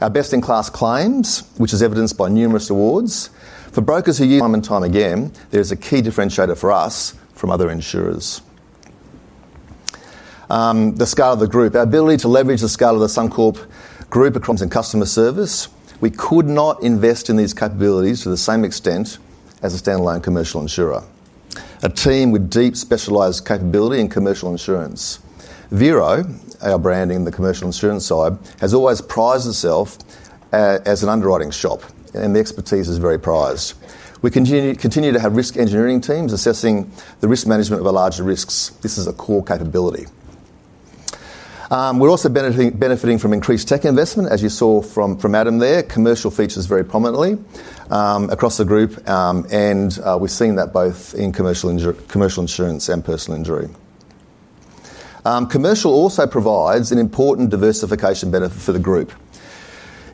our best-in-class claims which is evidenced by numerous awards for brokers who use time and time again. There is a key differentiator for us from other insurers: the scale of the group. Our ability to leverage the scale of the Suncorp accompanies in customer service. We could not invest in these capabilities to the same extent as a standalone commercial insurer. A team with deep specialized capability in commercial insurance. Vero, our brand in the commercial insurance side, has always prized itself as an underwriting shop and the expertise is very prized. We continue to have risk engineering teams assessing the risk management of our larger risks. This is a core capability. We're also benefiting from increased tech investment. As you saw from Adam there, commercial features very prominently across the group and we're seeing that both in commercial insurance and personal injury. Commercial also provides an important diversification benefit for the group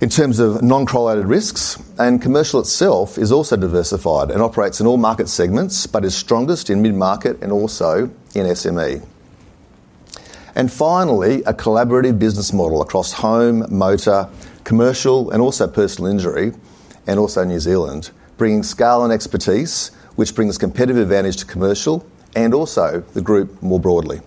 in terms of non-correlated risks. Commercial itself is also diversified and operates in all market segments but is strongest in mid-market and also in SME. Finally, a collaborative business model across home, motor, commercial and also personal injury and also New Zealand, bringing scale and expertise which brings competitive advantage to commercial and also the group more broadly.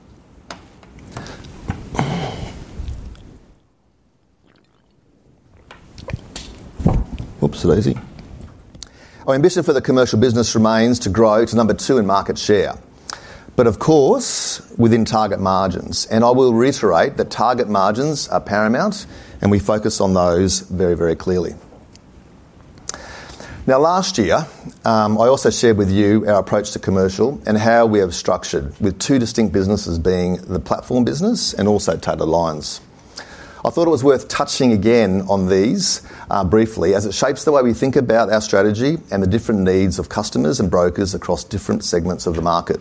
Oops. Lazy. Our ambition for the commercial business remains to grow to number two in market share, but of course within target margins, and I will reiterate that target margins are paramount and we focus on those very, very clearly now. Last year I also shared with you our approach to commercial and how we have structured with two distinct businesses being the platform business and also Tailored Lines. I thought it was worth touching again on these briefly as it shapes the way we think about our strategy and the different needs of customers and brokers across different segments of the market.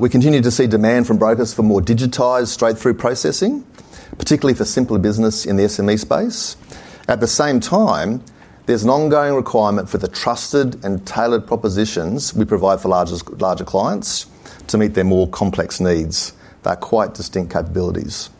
We continue to see demand from brokers for more digitized straight-through processing, particularly for simpler business in the SME space. At the same time, there's an ongoing requirement for the trusted and tailored propositions we provide for larger clients to meet their more complex needs. They're quite distinct capabilities,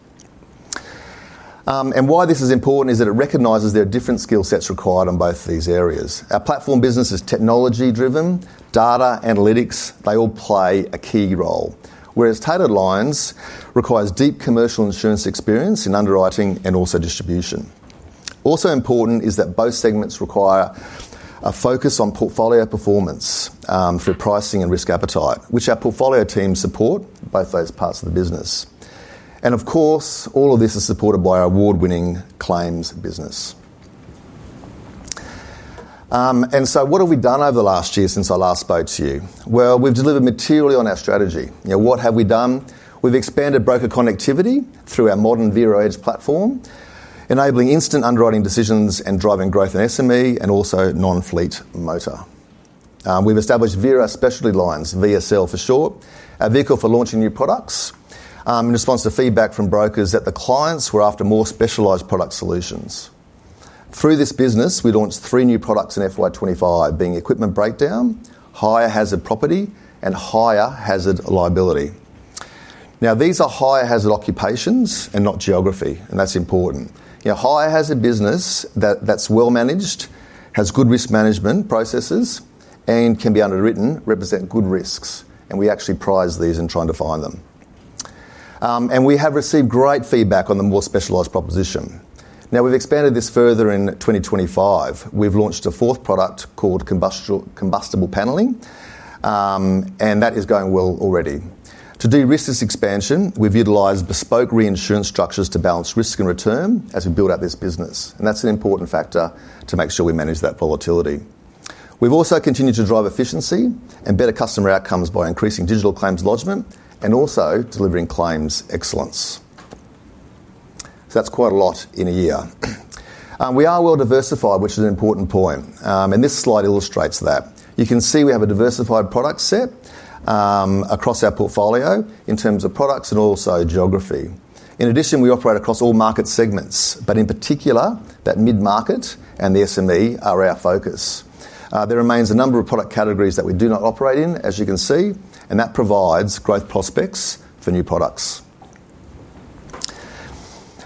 and why this is important is that it recognizes there are different skill sets required on both these areas. Our platform business is technology-driven data analytics. They all play a key role, whereas Tailored Lines requires deep commercial insurance experience, experience in underwriting and also distribution. Also important is that both segments require a focus on portfolio performance through pricing and risk appetite, which our portfolio teams support both those parts of the business. Of course, all of this is supported by our award-winning claims business. What have we done over the last year since I last spoke to you? We've delivered materially on our strategy. We've expanded broker connectivity through our modern Vero Edge platform, enabling instant underwriting decisions and driving growth in SME and also non-fleet motor. We've established Vero Specialty Lines, VSL for short, a vehicle for launching new products in response to feedback from brokers that the clients were after more specialized product solutions. Through this business, we launched three new products in FY 2025, being equipment breakdown, higher hazard property, and higher hazard liability. These are higher hazard occupations and not geography, and that's important. Higher hazard business that's well managed, has good risk management processes, and can be underwritten, represent good risks and we actually prize these in trying to find them. We have received great feedback on the more specialized proposition. We've expanded this further. In 2025, we've launched a fourth product called combustible paneling, and that is going well already. To de-risk this expansion, we've utilized bespoke reinsurance structures to balance risk and return as we build out this business, and that's an important factor to make sure we manage that volatility. We've also continued to drive efficiency and better customer outcomes by increasing digital claims lodgement and also delivering claims. Excellent. That's quite a lot in a year. We are well diversified, which is an important point, and this slide illustrates that. You can see we have a diversified product set across our portfolio in terms of products and also geography. In addition, we operate across all market segments, but in particular that mid market and the SME are our focus. There remains a number of product categories that we do not operate in, as you can see, and that provides growth prospects for new products.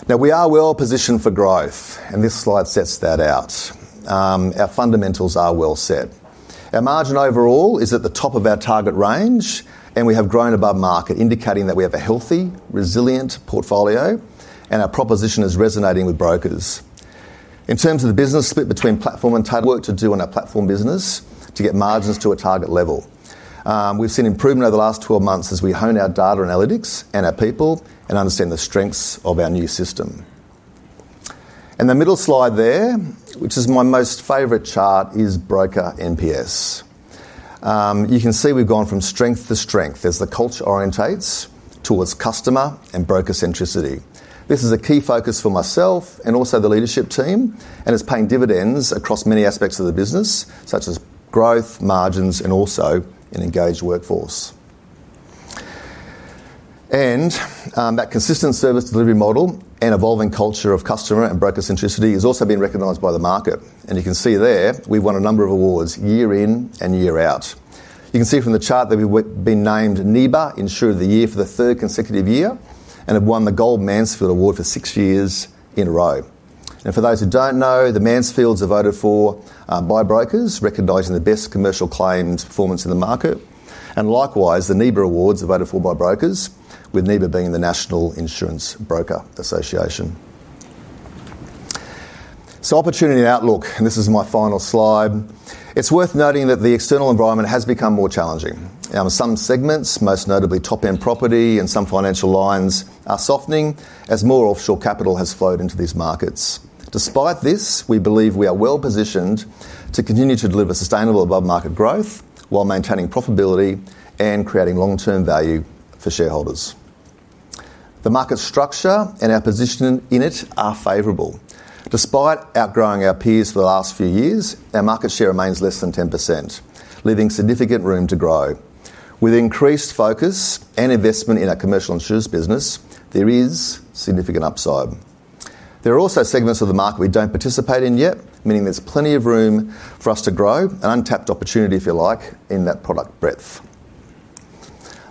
We are well positioned for growth and this slide sets that out. Our fundamentals are well set. Our margin overall is at the top of our target range and we have grown above market, indicating that we have a healthy, resilient portfolio. Our proposition is resonating with brokers in terms of the business split between platform and tight work to do on our platform business to get margins to a target level. We've seen improvement over the last 12 months as we hone our data analytics and our people and understand the strengths of our new system. The middle slide there, which is my most favorite chart, is Broker NPS. You can see we've gone from strength to strength as the culture orientates towards customer and broker centricity. This is a key focus for myself and also the leadership team and it's paying dividends across many aspects of the business, such as growth, margins and also an engaged workforce. That consistent service delivery model and evolving culture of customer and broker centricity has also been recognized by the market. You can see there we've won a number of awards year in and year out. You can see from the chart that we've been named NIBA Insurer of the Year for the third consecutive year and have won the Gold Mansfield Award for six years in a row. For those who don't know, the Mansfields are voted for by brokers, recognizing the best commercial claims performance in the market. Likewise, the NIBA awards are voted for by brokers, with NIBA being the National Insurance Brokers Association. Opportunity and outlook, and this is my final slide. It's worth noting that the external environment has become more challenging. Some segments, most notably top end property and some financial lines, are softening as more offshore capital has flowed into these markets. Despite this, we believe we are well positioned to continue to deliver sustainable above market growth while maintaining profitability and creating long -term value for shareholders. The market structure and our position in it are favorable. Despite outgrowing our peers for the last few years, our market share remains less than 10%, leaving significant room to grow. With increased focus and investment in our commercial insurance business, there is significant upside. There are also segments of the market we don't participate in yet, meaning there's plenty of room for us to grow. An untapped opportunity if you like. In that product breadth,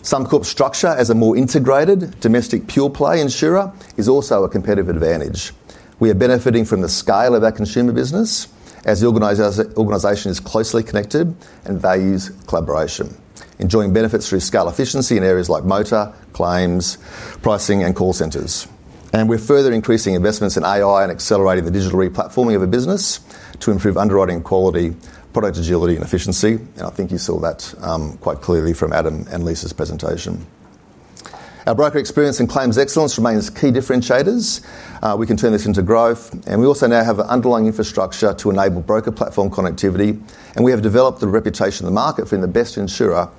Suncorp structure as a more integrated domestic pure product play insurer is also a competitive advantage. We are benefiting from the scale of our consumer business as the organization is closely connected and values collaboration, enjoying benefits through scale efficiency in areas like motor claims pricing and call centers. We're further increasing investments in AI and accelerating the digital re-platforming of a business to improve underwriting quality, product agility, and efficiency. I think you saw that quite clearly from Adam and Lisa's presentation. Our broker experience and claims excellence remain key differentiators. We can turn this into growth. We also now have an underlying infrastructure to enable broker platform connectivity. We have developed the reputation in the market for the best insurer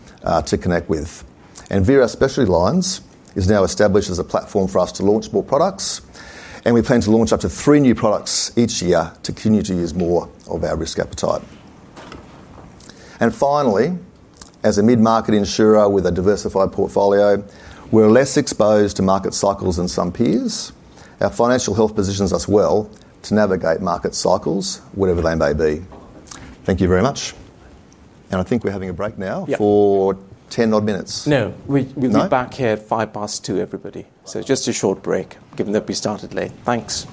to connect with. Vero Specialty Lines is now established as a platform for us to launch more products, and we plan to launch up to three new products each year to continue to use more of our risk appetite. Finally, as a mid-market insurer with a diversified portfolio, we're less exposed to market cycles than some peers. Our financial health positions us well to navigate market cycles, whatever they may be. Thank you very much. I think we're having a break now for ten odd minutes. No, we're back here at 2:05 P.M. everybody. Just a short break given that we started late. Thanks.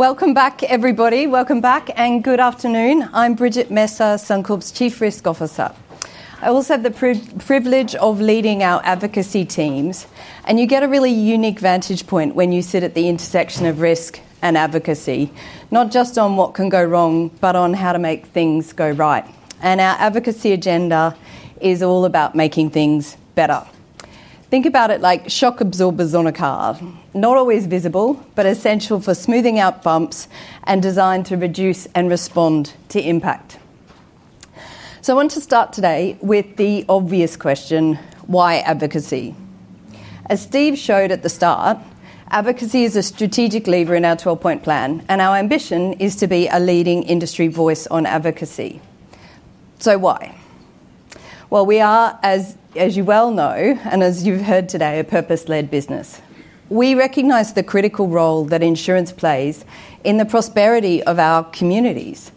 Welcome back everybody. Welcome back and good afternoon. I'm Bridget Messer, Suncorp's Chief Risk Officer. I also have the privilege of leading our advocacy teams and you get a really unique vantage point when you sit at the intersection of risk and advocacy, not just on what can go wrong, but on how to make things go right. Our advocacy agenda is all about making things better. Think about it like shock absorbers on a car, not always visible, but essential for smoothing out bumps and designed to reduce and respond to impact. I want to start today with the obvious question, why advocacy? As Steve showed at the start, advocacy is a strategic lever in our 12-point plan and our ambition is to be a leading industry voice on advocacy. Why? We are, as you well know and as you've heard today, a purpose-led business. We recognize the critical role that insurance plays in the prosperity of our communities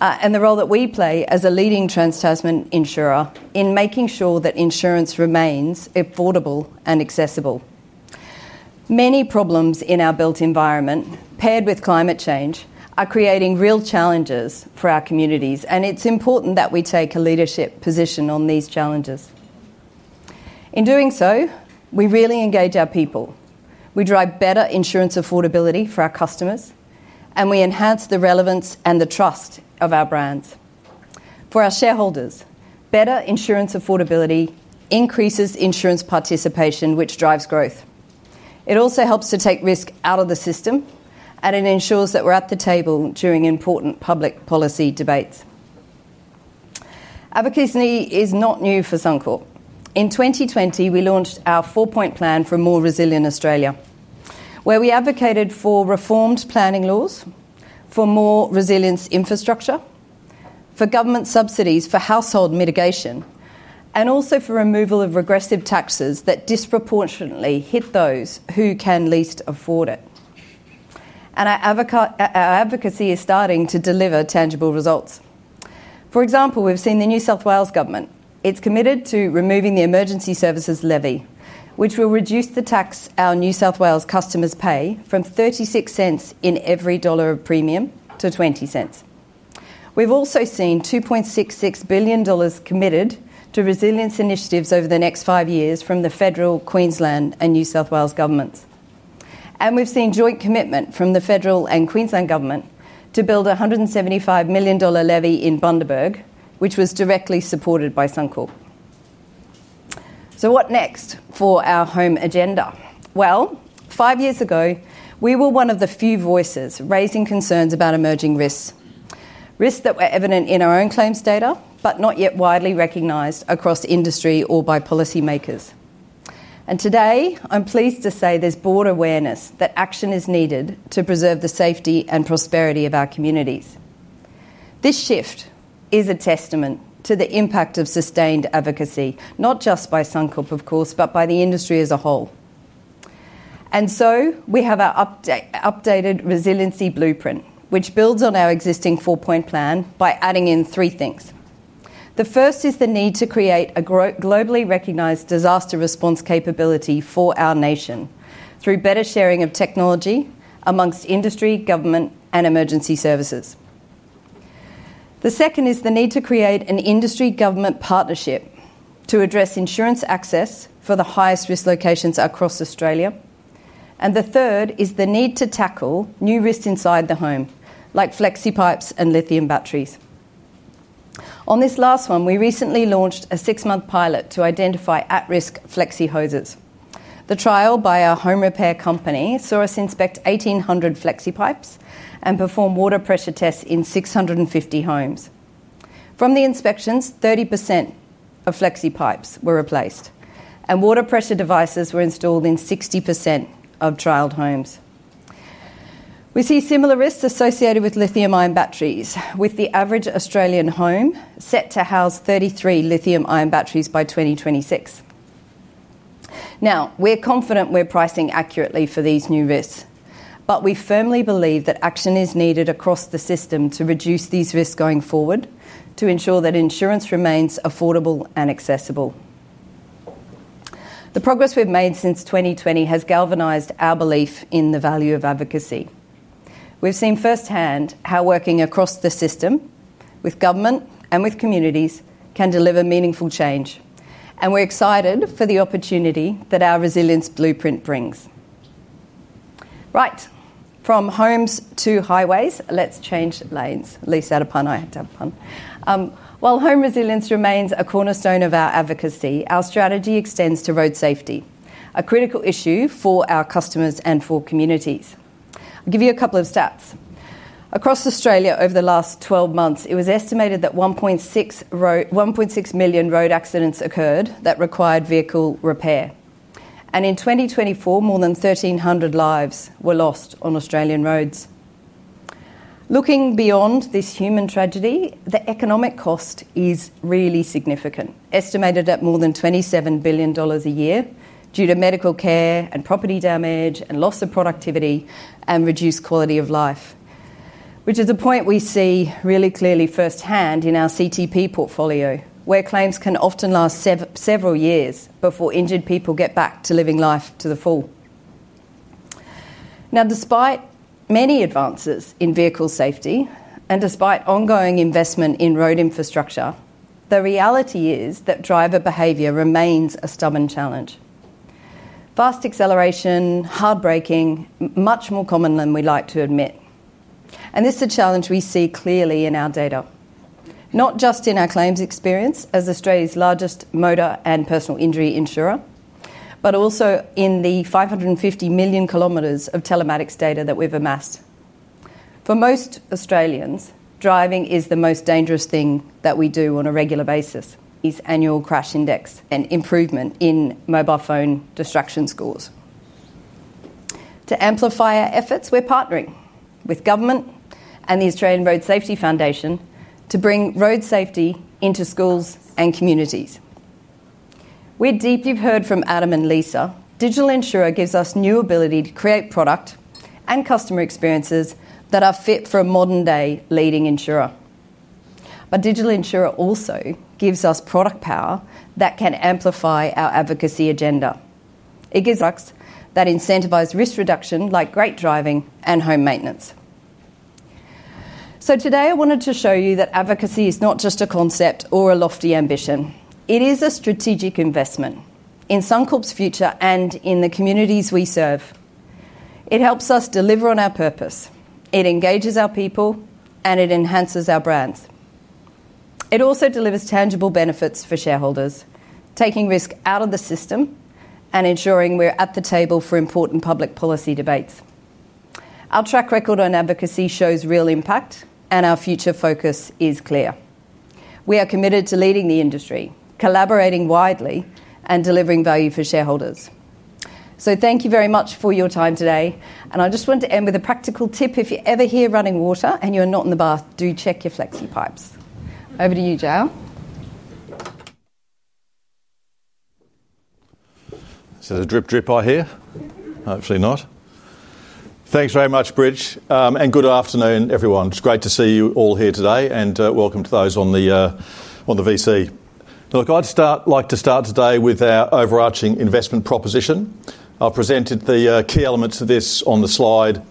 and the role that we play as a leading Trans Tasman insurer in making sure that insurance remains affordable and accessible. Many problems in our built environment, paired with climate change, are creating real challenges for our communities. It is important that we take a leadership position on these challenges. In doing so, we really engage our people. We drive better insurance affordability for our customers and we enhance the relevance and the trust of our brands for our shareholders. Better insurance affordability increases insurance participation, which drives growth. It also helps to take risk out of the system and it ensures that we're at the table during important public policy debates. Advocacy is not new for Suncorp. In 2020, we launched our four-point plan for a more resilient Australia, where we advocated for reformed planning laws, for more resilient infrastructure, for government subsidies for household mitigation, and also for removal of regressive taxes that disproportionately hit those who can least afford it. Our advocacy is starting to deliver tangible results. For example, we've seen the New South Wales government, it's committed to removing the emergency services levy, which will reduce the tax our New South Wales customers pay from $0.36 in every dollar of premium to $0.20. We've also seen $2.66 billion committed to resilience initiatives over the next five years from the Federal, Queensland and New South Wales governments. We've seen joint commitment from the Federal and Queensland government to build a $175 million levy in Bundaberg, which was directly supported by Suncorp. What next for our home agenda? Five years ago, we were one of the few voices raising concerns about emerging risks. Risks that were evident in our own claims data, but not yet widely recognized across industry or by policymakers. Today, I'm pleased to say there's broad awareness that action is needed to preserve the safety and prosperity of our communities. This shift is a testament to the impact of sustained advocacy, not just by Suncorp, but by the industry as a whole. We have our updated resiliency blueprint which builds on our existing four point plan by adding in three things. The first is the need to create a globally recognized disaster response capability for our nation through better sharing of technology amongst industry, government, and emergency services. The second is the need to create an industry government partner to address insurance access for the highest risk locations across Australia. The third is the need to tackle new risks inside the home like flexi pipes and lithium batteries. On this last one, we recently launched a six month pilot to identify at risk flexi hoses. The trial by a home repair company saw us inspect 1,800 flexi pipes and perform water pressure tests in 650 homes. From the inspections, 30% of flexi pipes were replaced and water pressure devices were installed in 60% of trialed homes. We see similar risks associated with lithium ion batteries, with the average Australian home set to house 33 lithium ion batteries by 2026. We're confident we're pricing accurately for these new risks, but we firmly believe that action is needed across the system to reduce these risks going forward to ensure that insurance remains affordable and accessible. The progress we've made since 2020 has galvanized our belief in the value of advocacy. We've seen firsthand how working across the system, with government and with communities, can deliver meaningful change. We're excited for the opportunity that our resilience blueprint brings right from homes to highways. Let's change lanes. Lisa had a pun. I had to have fun. While home resilience remains a cornerstone of our advocacy, our strategy extends to road safety, a critical issue for our customers and for communities. I'll give you a couple of stats. Across Australia over the last 12 months, it was estimated that 1.6 million road accidents occurred that required vehicle repair. In 2024, more than 1,300 lives were lost on Australian roads. Looking beyond this human tragedy, the economic cost is really significant, estimated at more than $27 billion a year due to medical care, property damage, loss of productivity, and reduced quality of life. This is a point we see really clearly firsthand in our compulsory third party insurance portfolio, where claims can often last several years before injured people get back to living life to the full. Despite many advances in vehicle safety and ongoing investment in road infrastructure, the reality is that driver behavior remains a stubborn challenge. Fast acceleration and hard braking are much more common than we like to admit. This is a challenge we see clearly in our data, not just in our claims experience as Australia's largest motor and personal injury insurer, but also in the 550 million km of telematics data that we've amassed. For most Australians, driving is the most dangerous thing that we do on a regular basis. These annual crash index and improvement in mobile phone distraction scores amplify our efforts. We're partnering with government and the Australian Road Safety Foundation to bring road safety into schools and communities. We've already heard from Adam and Lisa. Digital Insurer gives us new ability to create product and customer experiences that are fit for a modern day leading insurer. Digital Insurer also gives us product power that can amplify our advocacy agenda. It gives products that incentivize risk reduction like great driving and home maintenance. Today I wanted to show you that advocacy is not just a concept or a lofty ambition. It is a strategic investment in Suncorp's future and in the communities we serve. It helps us deliver on our purpose, it engages our people, and it enhances our brands. It also delivers tangible benefits for shareholders, taking risk out of the system and ensuring we're at the table for important public policy debates. Our track record on advocacy shows real impact and our future focus is clear. We are committed to leading the industry, collaborating widely, and delivering value for shareholders. Thank you very much for your time today and I just want to end with a practical tip. If you ever hear running water and you're not in the bath, do check your flexi pipes. Over to you, Jeremy. Is it a drip drip I hear? Hopefully not. Thanks very much, Bridge, and good afternoon everyone. It's great to see you all here today and welcome to those on the VC. I'd like to start today with our overarching Suncorp investment proposition. I've presented the key elements of this on the slide.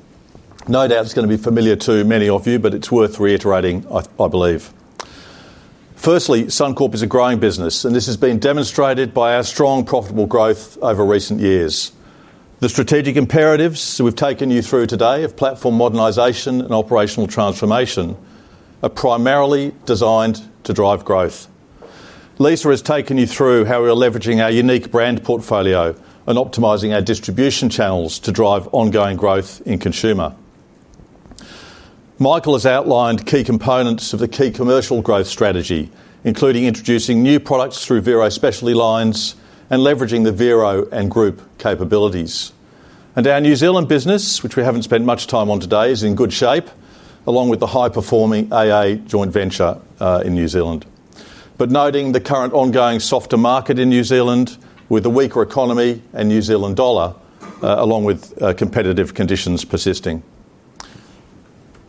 No doubt it's going to be familiar to many of you, but it's worth reiterating, I believe. Firstly, Suncorp is a growing business and this has been demonstrated by our strong, profitable growth over recent years. The strategic imperatives we've taken you through today of platform modernization and operational transformation are primarily designed to drive growth. Lisa has taken you through how we are leveraging our unique brand portfolio and optimizing our distribution channels to drive ongoing growth in consumer. Michael has outlined key components of the key commercial growth strategy, including introducing new products through Vero Specialty Lines and leveraging the Vero and Group capabilities, and our New Zealand business, which we haven't spent much time on today, is in good shape along with the high-performing AAI joint venture in New Zealand. Noting the current ongoing softer market in New Zealand with the weaker economy and New Zealand dollar along with competitive conditions persisting,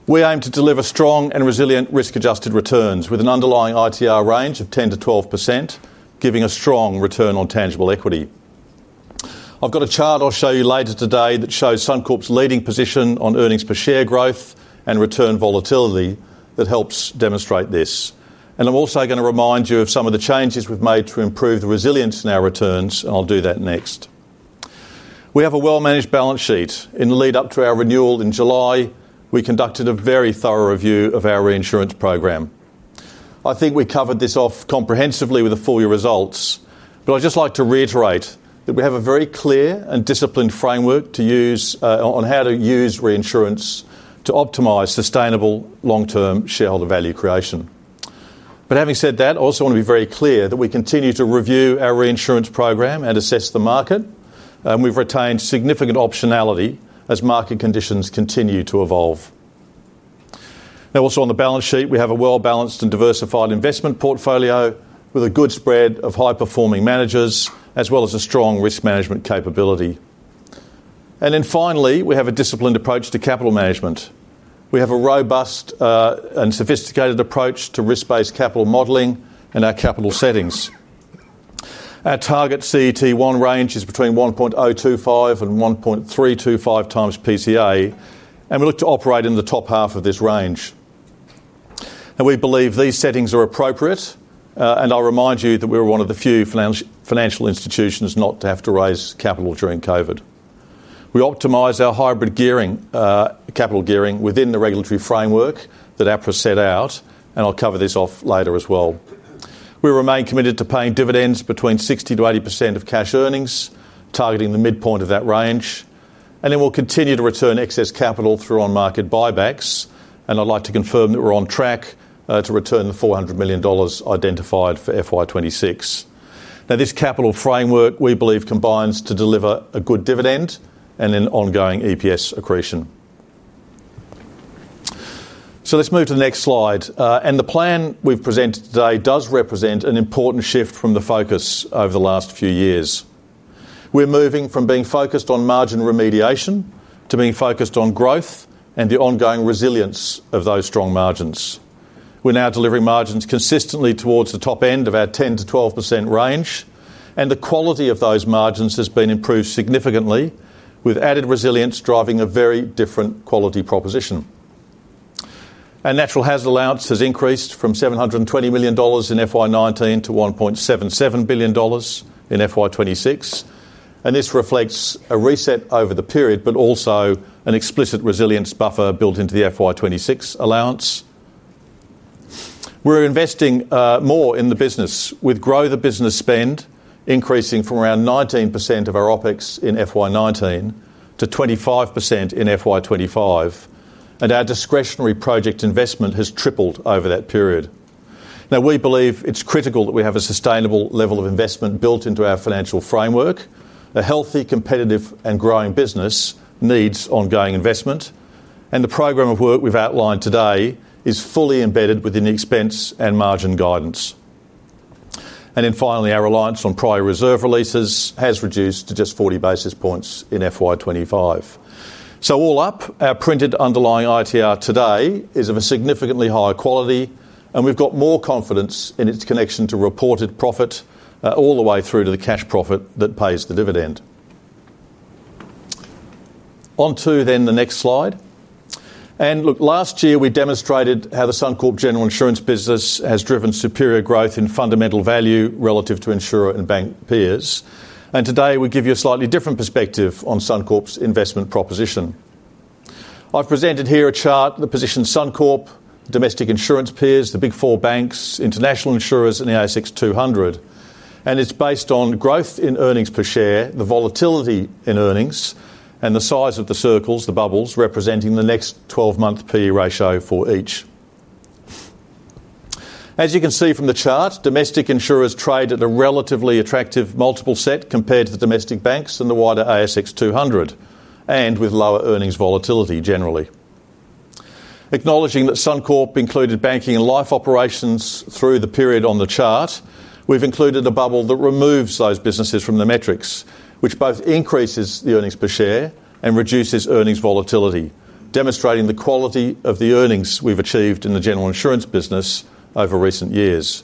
we aim to deliver strong and resilient risk-adjusted returns with an underlying ITR range of 10%-12%, giving a strong return on tangible equity. I've got a chart I'll show you later today that shows Suncorp leading position on earnings per share growth and return volatility that helps demonstrate this. I'm also going to remind you of some of the changes we've made to improve the resilience in our returns. I'll do that next. We have a well-managed balance sheet. In the lead up to our renewal in July, we conducted a very thorough review of our reinsurance program. I think we covered this off comprehensively with the full year results. I'd just like to reiterate that we have a very clear and disciplined framework to use on how to use reinsurance to optimize sustainable long-term shareholder value creation. I also want to be very clear that we continue to review our reinsurance program and assess the market, and we've retained significant optionality as market conditions continue to evolve. Now also on the balance sheet we have a well-balanced and diversified investment pool portfolio with a good spread of high-performing managers as well as a strong risk management capability. Finally, we have a disciplined approach to capital management. We have a robust and sophisticated approach to risk-based capital modeling. Our capital settings, our target CET1 range is between 1.025 and 1.325x PCA, and we look to operate in the top half of this range. We believe these settings are appropriate. I'll remind you that we're one of the few financial institutions not to have to raise capital during COVID. We optimize our hybrid gearing, capital gearing within the regulatory framework that APRA set out. I'll cover this off later as well. We remain committed to paying dividends between 60%-80% of cash earnings, targeting the midpoint of that range. We will continue to return excess capital through on-market buybacks. I'd like to confirm that we're on track to return the $400 million identified for FY 2026. This capital framework we believe combines to deliver a good dividend and an ongoing EPS accretion. Let's move to the next slide. The plan we've presented today does represent an important shift from the focus over the last few years. We're moving from being focused on margin remediation to being focused on growth and the ongoing resilience of those strong margins. We're now delivering margins consistently towards the top end of our 10%-12% range. The quality of those margins has been improved significantly with added resilience driving a very different quality proposition. Our natural hazard allowance has increased from $720 million in FY 2019 to $1.77 billion in FY 2026. This reflects a reset over the period, but also an explicit resilience buffer built into the FY 2026 allowance. We're investing more in the business with grow the business spend increasing from around 19% of our OpEx in FY 2019 to 25% in FY 2025. Our discretionary project investment has tripled over that period. We believe it's critical that we have a sustainable level of investment built into our financial framework. A healthy, competitive, and growing business needs ongoing investment, and the program of work we've outlined today is fully embedded within the expense and margin guidance. Finally, our reliance on prior reserve releases has reduced to just 40 basis points in FY 2025. All up, our printed underlying ITR today is of a significantly higher quality, and we've got more confidence in its connection to reported profit all the way through to the cash profit that pays the dividend. Onto the next slide. Last year, we demonstrated how the Suncorp general insurance business has driven superior growth in fundamental value relative to insurer and bank peers. Today, we give you a slightly different perspective on Suncorp's investment proposition. I've presented here a chart that positions Suncorp domestic insurance peers, the big four banks, international insurers, and the ASX 200. It's based on growth in earnings per share, the volatility in earnings, and the size of the circles, the bubbles representing the next 12-month P/E ratio for each. As you can see from the chart, domestic insurers trade at a relatively attractive multiple set compared to the domestic banks and the wider ASX 200, and with lower earnings volatility. Generally, acknowledging that Suncorp included banking and life operations through the period on the chart, we've included a bubble that removes those businesses from the metrics, which both increases the earnings per share and reduces earnings volatility, demonstrating the quality of the earnings we've achieved in the general insurance business over recent years.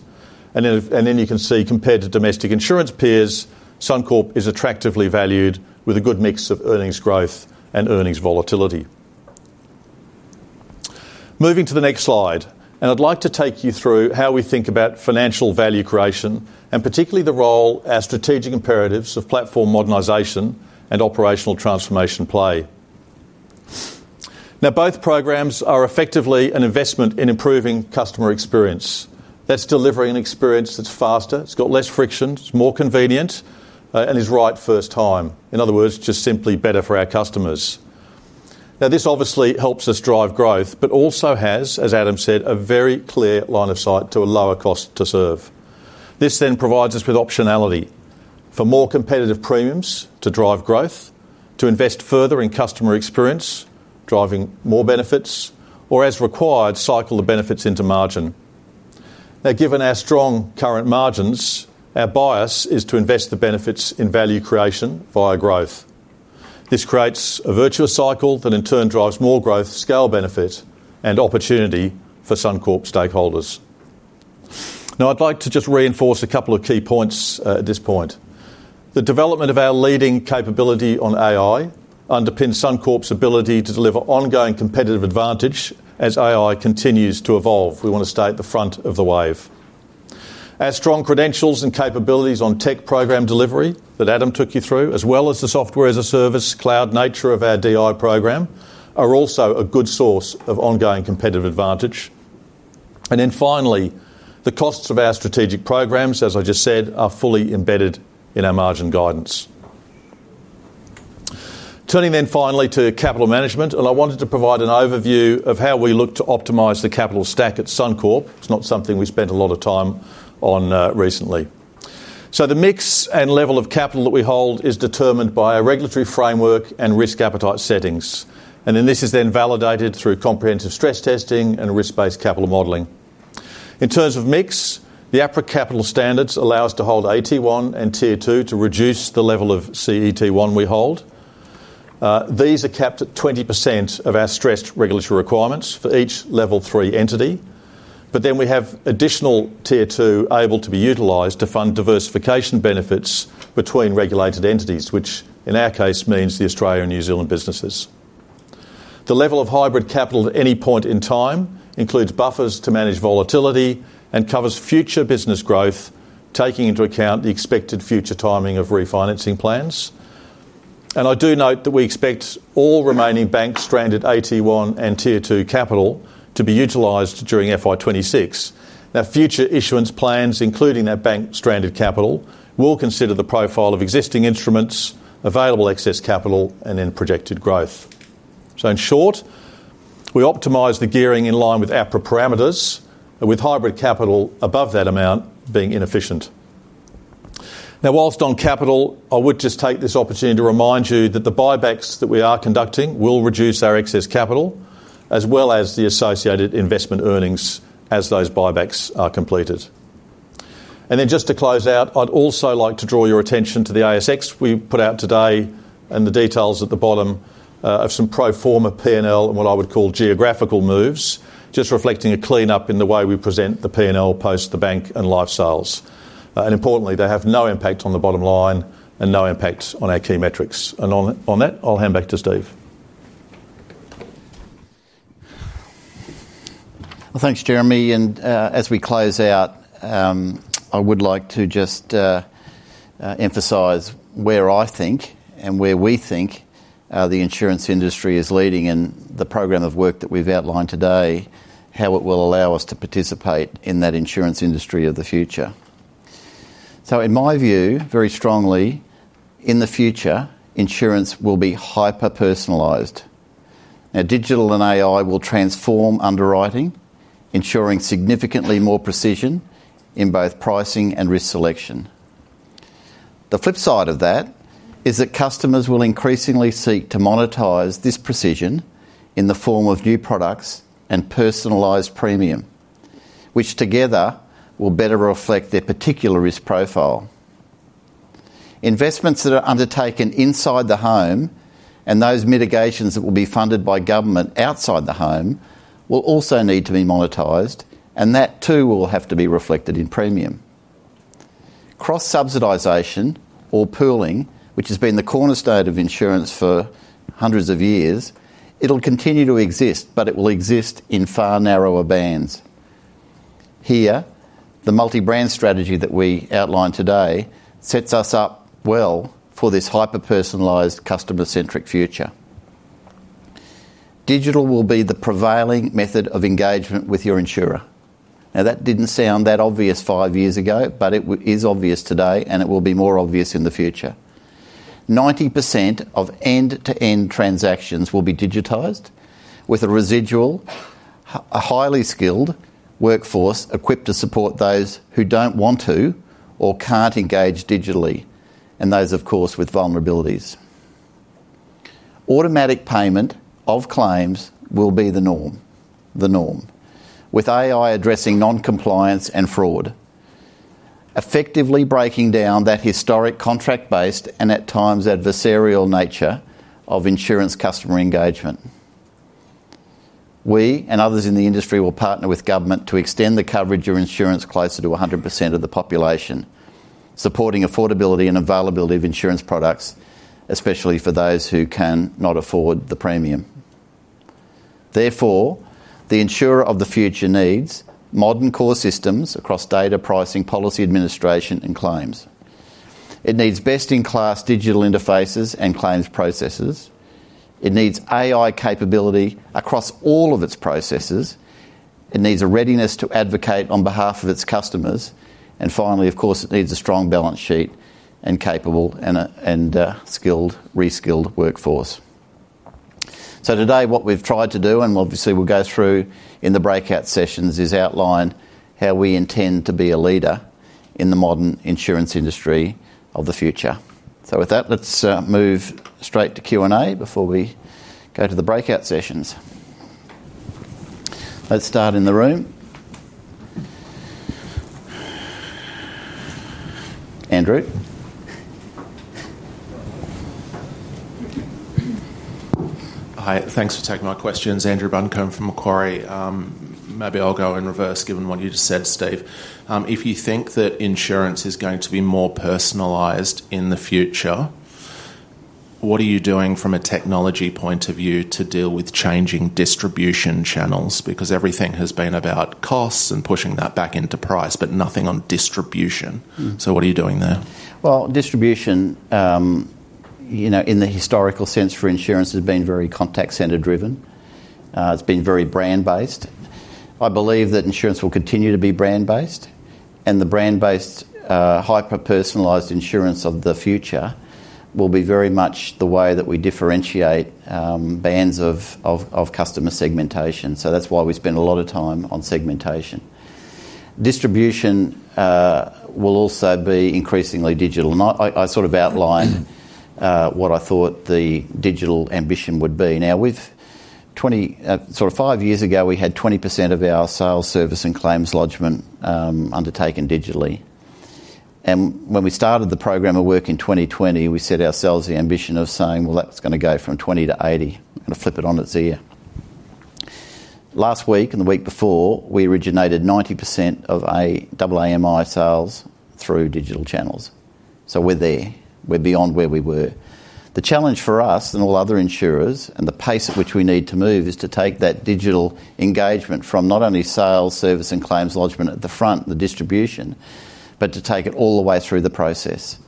You can see compared to domestic insurance peers, Suncorp is attractively valued with a good mix of earnings growth and earnings volatility. Moving to the next slide, I'd like to take you through how we think about financial value creation and particularly the role our strategic imperatives of platform modernization and operational transformation play. Both programs are effectively an investment in improving customer experience. That's delivering an experience that's faster, has less friction, is more convenient, and is right first time. In other words, just simply better for our customers. This obviously helps us drive growth, but also has, as Adam said, a very clear line of sight to a lower cost to serve. This then provides us with optionality for more competitive premiums to drive growth, to invest further in customer experience driving more benefits, or as required, cycle the benefits into margin. Given our strong current margins, our bias is to invest the benefits in value creation via growth. This creates a virtuous cycle that in turn drives more growth, scale benefit, and opportunity for Suncorp stakeholders. Now, I'd like to just reinforce a couple of key points at this point. The development of our leading capability on AI underpins Suncorp's ability to deliver ongoing competitive advantage. As AI continues to evolve, we want to stay at the front of the wave. Our strong credentials and capabilities on tech program delivery that Adam took you through, as well as the software as a service cloud nature of our Digital Insurer program, are also a good source of ongoing competitive advantage. Finally, the costs of our strategic programs, as I just said, are fully embedded in our margin guidance. Turning then to capital management, I wanted to provide an overview of how we look to optimize the capital stack at Suncorp. It's not something we spent a lot of time on recently. The mix and level of capital that we hold is determined by our regulatory framework and risk appetite settings. This is then validated through comprehensive stress testing and risk-based capital modeling. In terms of mix, the APRA capital standards allow us to hold AT1 and Tier 2 to reduce the level of CET1 we hold. These are capped at 20% of our stressed regulatory requirements for each Level 3 entity. We have additional Tier 2 able to be utilized to fund diversification benefits between regulated entities, which in our case means the Australia and New Zealand businesses. The level of hybrid capital at any point in time includes buffers to manage volatility and covers future business growth, taking into account the expected future timing of refinancing plans. I do note that we expect all remaining bank stranded AT1 and Tier 2 capital to be utilized during FY 2026. Future issuance plans, including that bank stranded capital, will consider the profile of existing instruments, available excess capital, and projected growth. In short, we optimize the gearing in line with APRA parameters, with hybrid capital above that amount being inefficient. Whilst on capital, I would just take this opportunity to remind you that the buybacks that we are conducting will reduce our excess capital as well as the associated investment earnings as those buybacks are completed. To close out, I'd also like to draw your attention to the ASX we put out today and the details at the bottom of some pro forma P&L and what I would call geographical moves, just reflecting a cleanup in the way we present the P&L post the bank and life sales. Importantly, they have no impact on the bottom line and no impact on our key metrics. On that, I'll hand back to Steve. Thanks, Jeremy. As we close out, I would like to just emphasize where I think and where we think the insurance industry is leading and the program of work that we've outlined today, how it will allow us to participate in that insurance industry of the future. In my view, very strongly in the future, insurance will be hyper personalized. Digital and AI will transform underwriting, ensuring significantly more precision in both pricing and risk selection. The flip side of that is that customers will increasingly seek to monetize this precision in the form of new products and personalized premium, which together will better reflect their particular risk profile. Investments that are undertaken inside the home and those mitigations that will be funded by government outside the home will also need to be monetized, and that too will have to be reflected in premium. Cross subsidization or pooling, which has been the cornerstone of insurance for hundreds of years, will continue to exist, but it will exist in far narrower bands. Here, the multi-brand strategy that we outlined today sets us up well for this hyper personalized customer-centric future. Digital will be the prevailing method of engagement with your insurer. That didn't sound that obvious five years ago, but it is obvious today and it will be more obvious in the future. 90% of end-to-end transactions will be digitized, with a residual highly skilled workforce equipped to support those who don't want to or can't engage digitally, and those, of course, with vulnerabilities. Automatic payment of claims will be the norm, the norm with AI addressing non-compliance and fraud, effectively breaking down that historic contract-based and at times adversarial nature of insurance customer engagement. We and others in the industry will partner with government to extend the coverage of insurance closer to 100% of the population, supporting affordability and availability of insurance products, especially for those who cannot afford the premium. Therefore, the insurer of the future needs modern core systems across data, pricing, policy administration, and claims. It needs best-in-class digital interfaces and claims processes. It needs AI capability across all of its processes. It needs a readiness to advocate on behalf of its customers. Finally, of course, it needs a strong balance sheet and capable and skilled reskilled workforce. Today, what we've tried to do, and obviously we'll go through in the breakout sessions, is outline how we intend to be a leader in the modern insurance industry of the future. With that, let's move straight to Q&A before we go to the breakout sessions. Let's start in the room. Andrew. Hi, thanks for taking my questions. Andrew Buncombe from Macquarie. Maybe I'll go in reverse given what you just said. Steve, if you think that insurance is going to be more personalised in the future, what are you doing from a technology point of view to deal with changing distribution channels? Everything has been about costs and pushing that back into price, but nothing on distribution. What are you doing there? Distribution, you know, in the historical sense for insurance has been very contact center driven, it's been very brand based. I believe that insurance will continue to be brand based and the brand based, hyper personalized insurance of the future will be very much the way that we differentiate bands of customer segmentation. That's why we spend a lot of time on segmentation. Distribution will also be increasingly digital. I sort of outlined what I thought the digital ambition would be. Five years ago we had 20% of our sales, service, and claims lodgment undertaken digitally. When we started the program of work in 2020, we set ourselves the ambition of saying that's going to go from 20% to 80%, going to flip it on its ear. Last week and the week before, we originated 90% of AMI sales through digital channels. We're there, we're beyond where we were. The challenge for us and all other insurers and the pace at which we need to move is to take that digital engagement from not only sales, service, and claims lodgment at the front, the distribution, but to take it all the way through the process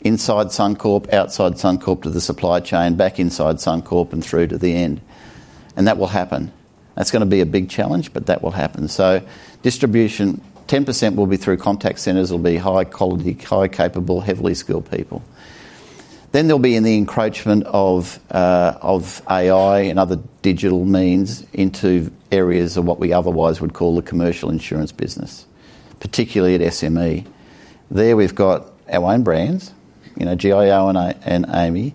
inside Suncorp, outside Suncorp, to the supply chain, back inside Suncorp, and through to the end. That will happen. That's going to be a big challenge, but that will happen. Distribution, 10% will be through contact centers, will be high quality, high capable, heavily skilled people. There will be the encroachment of AI and other digital means into areas of what we otherwise would call the commercial insurance business, particularly at SME. There we've got our own brands, you know, GIO and AAMI,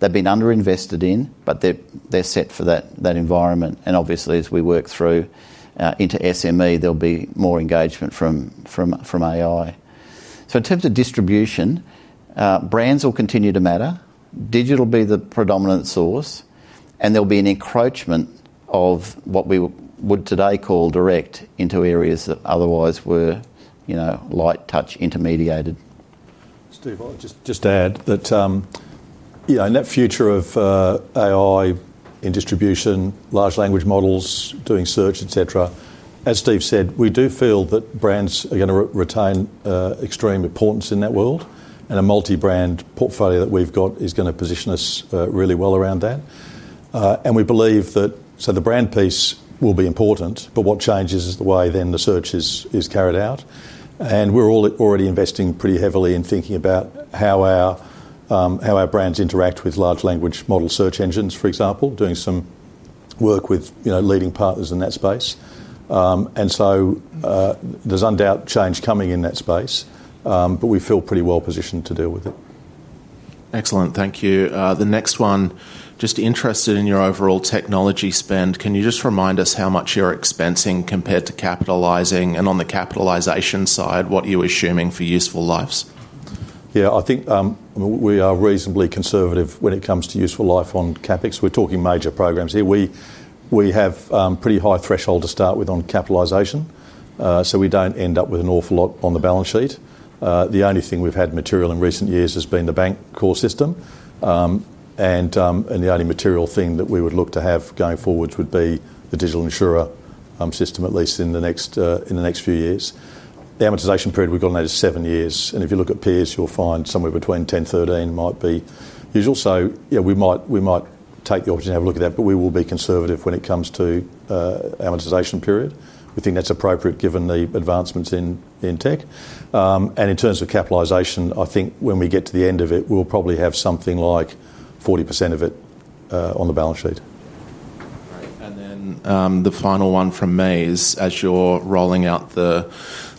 they've been underinvested in but they're set for that environment. Obviously as we work through into SME there'll be more engagement from AI. In terms of distribution, brands will continue to matter, digital will be the predominant source, and there'll be an encroachment of what we would today call direct into areas that otherwise were light touch intermediated. Steve, I'll just add that, you know, in that future of AI in distribution, large language models doing search etc. As Steve said, we do feel that brands are going to retain extreme importance in that world and a multi-brand portfolio that we've got is going to position us really well around that and we believe that. The brand piece will be important, but what changes is the way the search is carried out. We're already investing pretty heavily in thinking about how our brands interact with large language model search engines, for example, doing some work with leading partners in that space. There is undoubted change coming in that space, but we feel pretty well positioned to deal with it. Excellent, thank you. The next one, just interested in your overall technology spend. Can you just remind us how much you're expensing compared to capitalizing? On the capitalization side, what are you assuming for useful lives? I think we are reasonably conservative when it comes to useful life. On CapEx we're talking major programs here. We have a pretty high threshold to start with on capitalization, so we don't end up with an awful lot on the balance sheet. The only thing we've had material in recent years has been the bank core system, and the only material thing that we would look to have going forward would be the Digital Insurer system, at least in the next few years. The amortization period we've gotten at is seven years, and if you look at peers you'll find somewhere between 10, 13 might be usual. We might take the opportunity to have a look at that, but we will be conservative when it comes to amortization period. We think that's appropriate given the advancements in tech, and in terms of capitalization I think when we get to the end of it, we'll probably have something like 40% of it on the balance sheet. The final one from May is as you're rolling out the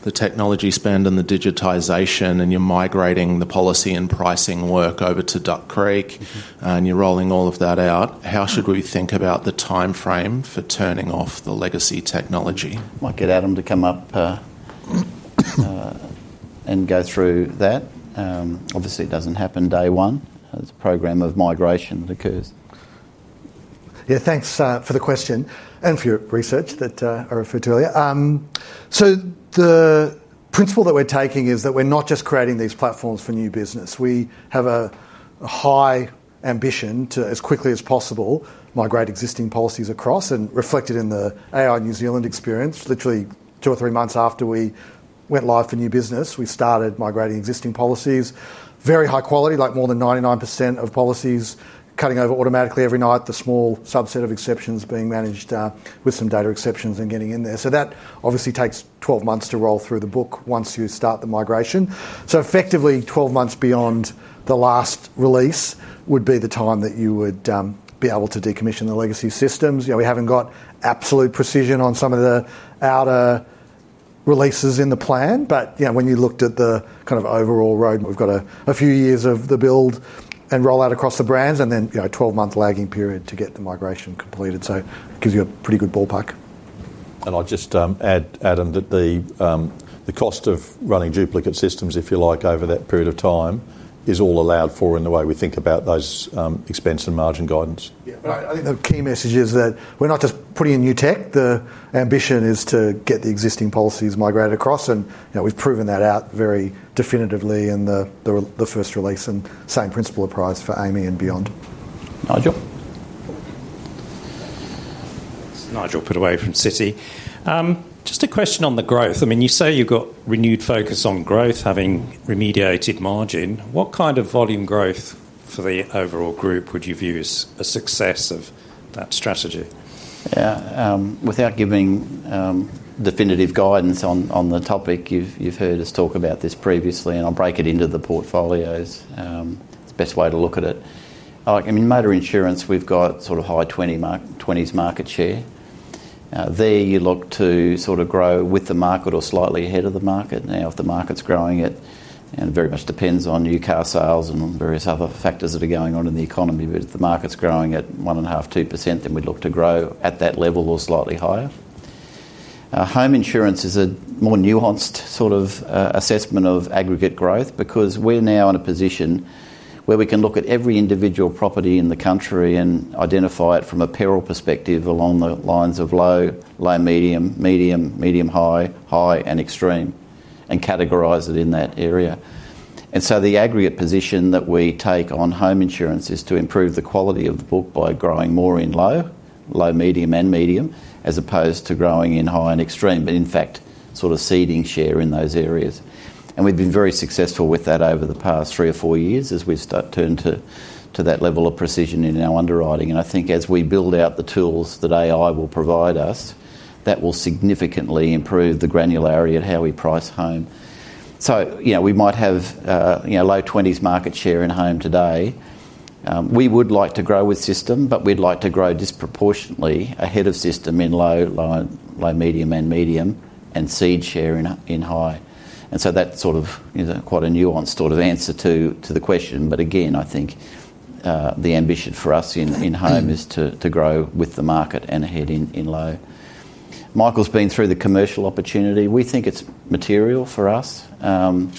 technology spend and the digitization and you're migrating the policy and pricing work over to. Duck Creek and you're rolling all of that out. How should we think about the time? Frame for turning off the legacy technology? Might get Adam to come up and go through that. Obviously, it doesn't happen day one. It's a program of migration that occurs. Yeah, thanks for the question and for your research that I referred to earlier. The principle that we're taking is that we're not just creating these platforms for new business. We have a high ambition to as quickly as possible migrate existing policies across. Reflected in the New Zealand experience, literally two or three months after we went live for new business, we started migrating existing policies. Very high quality, like more than 99% of policies cutting over automatically every night, with the small subset of exceptions being managed with some data exceptions and getting in there. That obviously takes 12 months to roll through the book once you start the migration. Effectively, 12 months beyond the last release would be the time that you would be able to decommission the legacy systems. We haven't got absolute precision on some of the outer releases in the plan, but when you look at the kind of overall road, we've got a few years of the build and rollout across the brands and then a 12-month lagging period to get the migration completed. It gives you a pretty good ballpark. I'll just add, Adam, that the cost of running duplicate systems, if you like, over that period of time is all allowed for in the way we think about those expense and margin guidance. I think the key message is that we're not just putting in new tech. The ambition is to get the existing policies migrated across, and we've proven that out very definitively in the first release. The same principle applies for AAMI and beyond. Nigel Pittaway from Citi. Just a. Question on the growth. I mean, you say you've got renewed. Focus on growth, having remediated margin. kind of volume growth for the overall group would you view as a success? Of that strategy, without giving definitive guidance on the topic, you've heard us talk about this previously and I'll break it into the portfolios. It's the best way to look at it. Motor insurance, we've got sort of high 20s market share there. You look to sort of grow with the market or slightly ahead of the market now. If the market's growing and very much depends on new car sales and various other factors that are going on in the economy, if the market's growing at 1.5%, 2%, then we'd look to grow at that level or slightly higher. Home insurance is a more nuanced sort of assessment of aggregate growth because we're now in a position where we can look at every individual property in the country and identify it from a peril perspective along the lines of low, low, medium, medium, medium, high, high and extreme and categorize it in that area. The aggregate position that we take on home insurance is to improve the quality of the book by growing more in low, low, medium and medium, as opposed to growing in high and extreme, but in fact sort of seeding share in those areas. We've been very successful with that over the past three or four years as we turn to that level of precision in our underwriting. I think as we build out the tools that AI will provide us, that will significantly improve the granularity of how we price home. We might have, you know, low 20s market share in home today. We would like to grow with system, but we'd like to grow disproportionately ahead of system in low, medium and medium and seed share in high. That's quite a nuanced sort of answer to the question. I think the ambition for us in home is to grow with the market and ahead in low. Michael's been through the commercial opportunity. We think it's material for us. I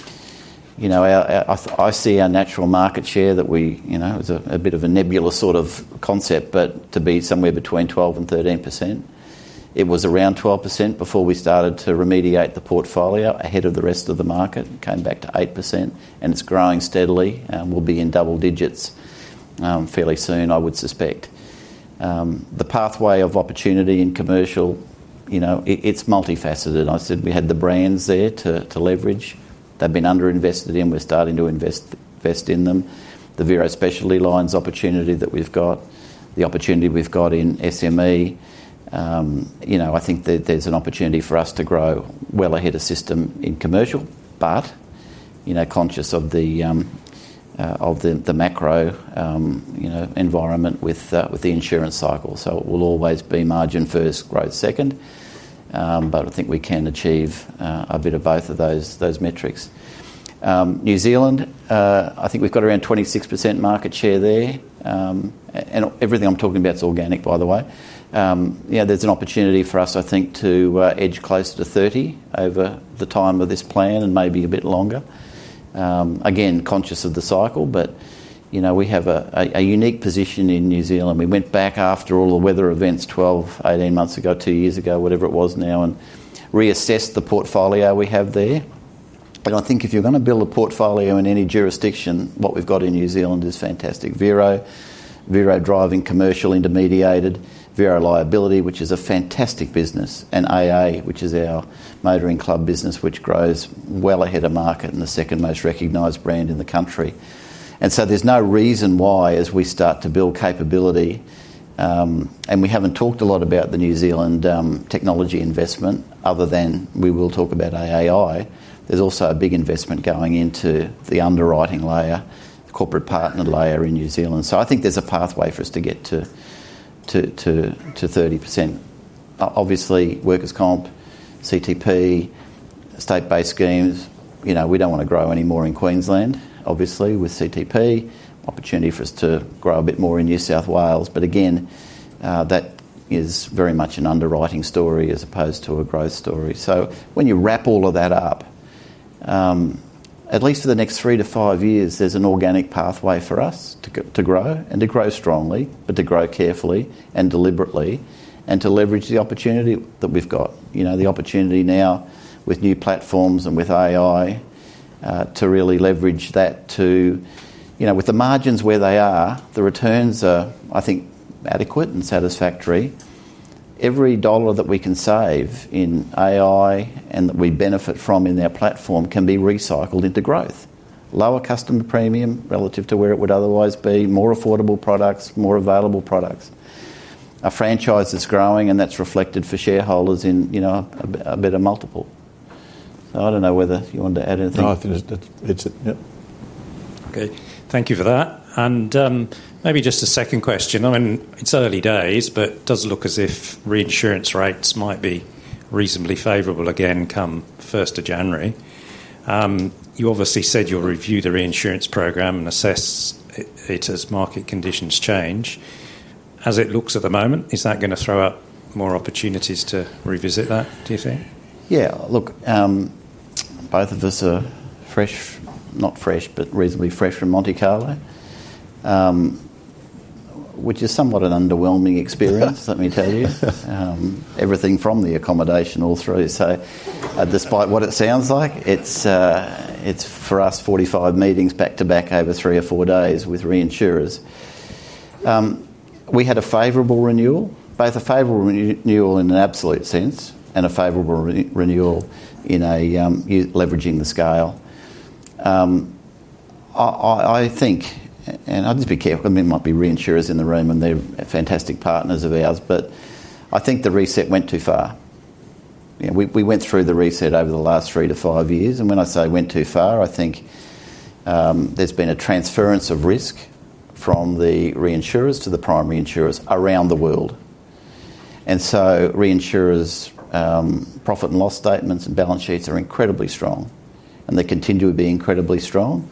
see our natural market share that we, you know, it was a bit of a nebulous sort of concept, but to be somewhere between 12% and 13%. It was around 12% before we started to remediate. The portfolio ahead of the rest of the market came back to 8% and it's growing steadily and will be in double digits fairly soon. I would suspect the pathway of opportunity in commercial, it's multifaceted. I said we had the brands there to leverage. They've been underinvested in, we're starting to invest in them. The Vero Specialty Lines opportunity that we've got, the opportunity we've got in SME, I think that there's an opportunity for us to grow well ahead of system in commercial, but conscious of the macro environment with the insurance cycle. It will always be margin first, growth second. I think we can achieve a bit of both of those metrics. New Zealand, I think we've got around 26% market share there and everything I'm talking about is organic. By the way, there's an opportunity for us to edge closer to 30% over the time of this plan and maybe a bit longer, again conscious of the cycle. We have a unique position in New Zealand. We went back after all the weather events, 12, 18 months ago, two years ago, whatever it was now, and reassessed the portfolio we have there. I think if you're going to build a portfolio in any jurisdiction, what we've got in New Zealand is fantastic. Very Vero, Vero driving, commercial intermediated, Vero liability which is a fantastic business, and AA which is our motoring club business which grows well ahead of market and the second most recognized brand in the country. There's no reason why as we start to build capability, and we haven't talked a lot about the New Zealand technology investment other than we will talk about AAI. There's also a big investment going into the underwriting layer, corporate partner layer in New Zealand. I think there's a pathway for us to get to 30%. Obviously, workers' compensation, CTP, state-based schemes, we don't want to grow anymore in Queensland, obviously with CTP, opportunity for us to grow a bit more in New South Wales. That is very much an underwriting story as opposed to a growth story. When you wrap all of that up, at least for the next three to five years, there's an organic pathway for us to grow and to grow strongly, but to grow carefully and deliberately and to leverage the opportunity that we've got, the opportunity now with new platforms and with AI to really leverage that. With the margins where they are, the returns are, I think, adequate and satisfactory. Every dollar that we can save in AI and that we benefit from in their platform can be recycled into growth. Lower customer premium relative to where it would otherwise be. More affordable products, more available products. A franchise is growing and that's reflected for shareholders in a better multiple. I don't know whether you want to add anything. Thank you for that. Maybe just a second question. I mean it's early days, but does. Look as if reinsurance rates might be reasonably favorable again come 1st January. You obviously said you'll review the reinsurance program and assess it as market conditions change as it looks at the moment. Is that going to throw up more? Opportunities to revisit that, do you think? Yeah, look, both of us are reasonably fresh from Monte Carlo, which is somewhat an underwhelming experience. Let me tell you, everything from the accommodation all through. Despite what it sounds like, it's for us, 45 meetings back to back over three or four days with reinsurers. We had a favorable renewal, both a favorable renewal in an absolute sense and a favorable renewal in leveraging the scale, I think. I'll just be careful, it might be reinsurers in the room and they're fantastic partners of ours, but I think the reset went too far. We went through the reset over the last three to five years and when I say went too far, I think there's been a transference of risk from the reinsurers to the primary insurers around the world. Reinsurers' profit and loss statements and balance sheets are incredibly strong, and they continue to be incredibly strong,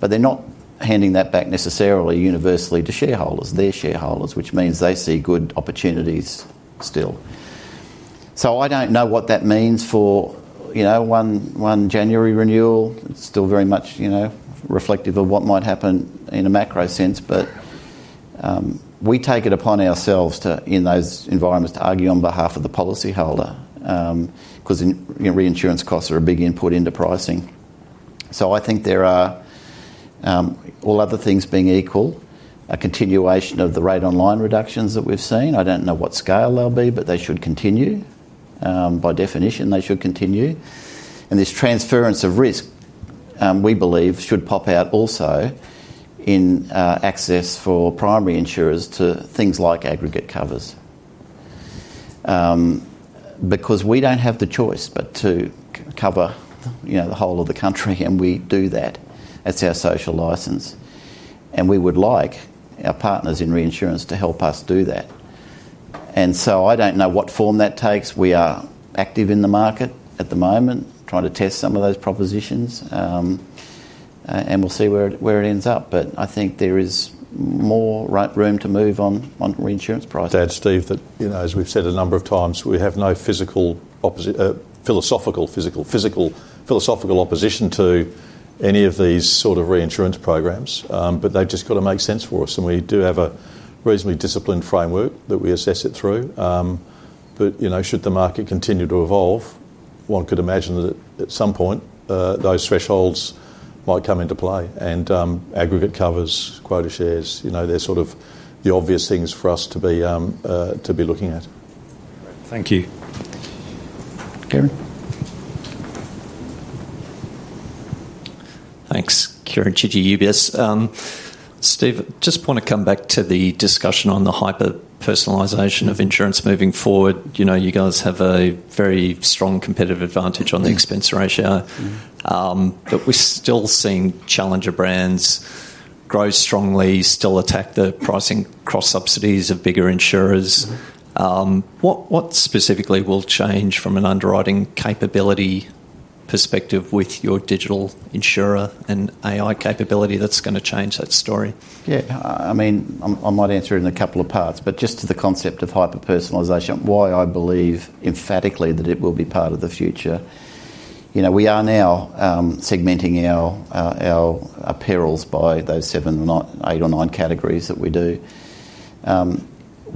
but they're not handing that back necessarily universally to shareholders. They're shareholders, which means they see good opportunities still. I don't know what that means for, you know, one January renewal. Still very much reflective of what might happen in a macro sense. We take it upon ourselves in those environments to argue on behalf of the policyholder because reinsurance costs are a big input into pricing. I think there are, all other things being equal, a continuation of the rate online reductions that we've seen. I don't know what scale they'll be, but they should continue. By definition, they should continue. This transference of risk, we believe, should pop out also in access for primary insurers to things like aggregate covers, because we don't have the choice but to cover the whole of the country. We do that. That's our social license and we would like our partners in recognition insurance to help us do that. I don't know what form that takes. We are active in the market at the moment trying to test some of those propositions and we'll see where it ends up. I think there is more room to move on reinsurance prices. Steve, you know, as we've said a number of times, we have no philosophical or physical opposition to any of these sort of reinsurance programs. They've just got to make sense for us, and we do have a reasonably disciplined framework that we assess it through. You know, should the market continue to evolve, one could imagine that at some point those thresholds might come into play. Aggregate covers, quota shares, they're sort of the obvious things for us to be looking at. Thank you. Thanks, Kiran G, UBS. Steve, just want to come back to the discussion on the hyper personalization of insurance moving forward. You know, you guys have a very strong competitive advantage on the expense ratio. We're still seeing challenger brands grow. Strongly still attack the pricing cross subsidies of bigger insurers. What specifically will change from an underwriting? Capability perspective with your Digital Insurer program and AI capability that's going to change that story? Yeah, I mean I might answer it in a couple of parts, but just to the concept of hyper personalization. Why? I believe emphatically that it will be part of the future. We are now segmenting our apparels by those seven, eight or nine categories that we do.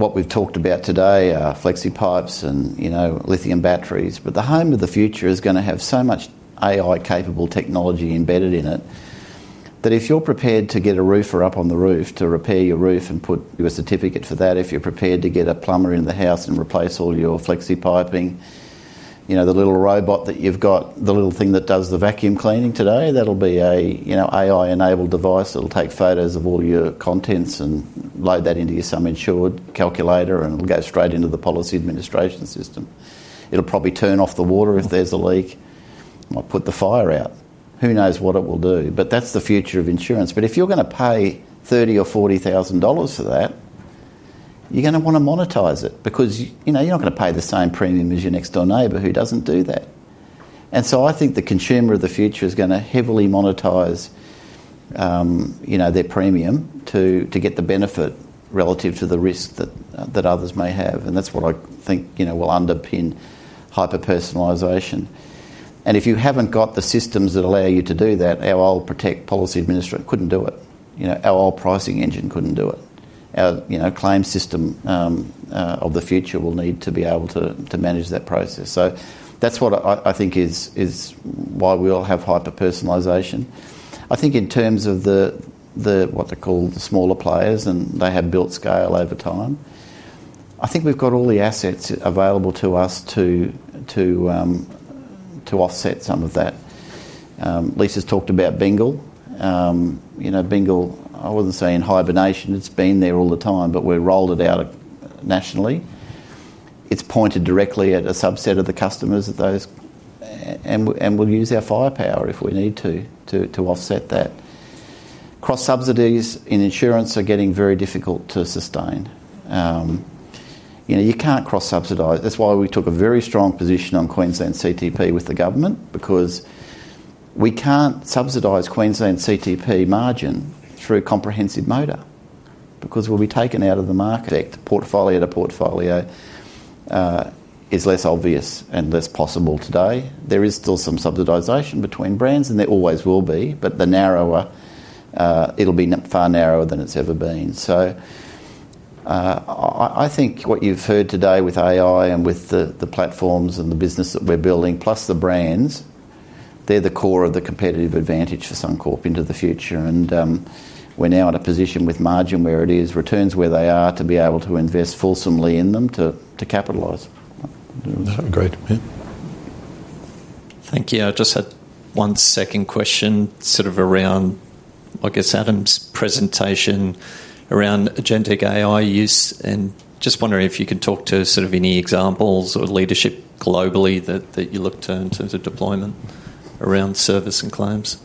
What we've talked about today are flexi pipes and lithium batteries. The home of the future is going to have so much AI capable technology embedded in it that if you're prepared to get a roofer up on the roof to repair your roof and put your certificate for that, if you're prepared to get a plumber in the house and replace all your flexi piping, the little robot that you've got, the little thing that does the vacuum cleaning today, that'll be an AI-enabled device that'll take photos of all your contents and load that into your sum insured calculator and it'll go straight into the policy administration system. It'll probably turn off the water if there's a leak, might put the fire out. Who knows what it will do. That is the future of insurance. If you're going to pay $30,000 or $40,000 for that, you're going to want to monetize it because you know you're not going to pay the same premium as your next door neighbor who doesn't do that. I think the consumer of the future is going to heavily monetize their premium to get the benefit relative to the risk that others may have. That is what I think will underpin hyper personalisation. If you haven't got the systems that allow you to do that, our old Protect policy administrator couldn't do it, our old pricing engine couldn't do it. Our claim system of the future will need to be able to manage that process. That is why we all have hyper personalisation. I think in terms of what they call the smaller players and they have built scale over time, I think we've got all the assets available to us to offset some of that. Lisa's talked about Bingle, you know, Bingle. I wasn't saying hibernation. It's been there all the time. We rolled it out nationally. It's pointed directly at a subset of the customers and we'll use our firepower if we need to, to offset that. Cross subsidies in insurance are getting very difficult to sustain. You can't cross subsidise. That is why we took a very strong position on Queensland CTP with the government because we can't subsidise Queensland CTP margin through comprehensive motor because we'll be taken out of the market. Portfolio to portfolio is less obvious and less possible today. There is still some subsidisation between brands and there always will be, but it'll be far narrower than it's ever been. I think what you've heard today with AI and with the platforms and the business that we're building, plus the brands, they're the core of the competitive advantage for Suncorp into the future and we're now in a position with margin where it is, returns where they are, to be able to invest fulsomely in them to capitalize. Great. Thank you. I just had one second question. Around Adam's presentation about agentic AI use, just wondering if you could talk to any examples of leadership globally that you look to in terms of deployment around service and claims.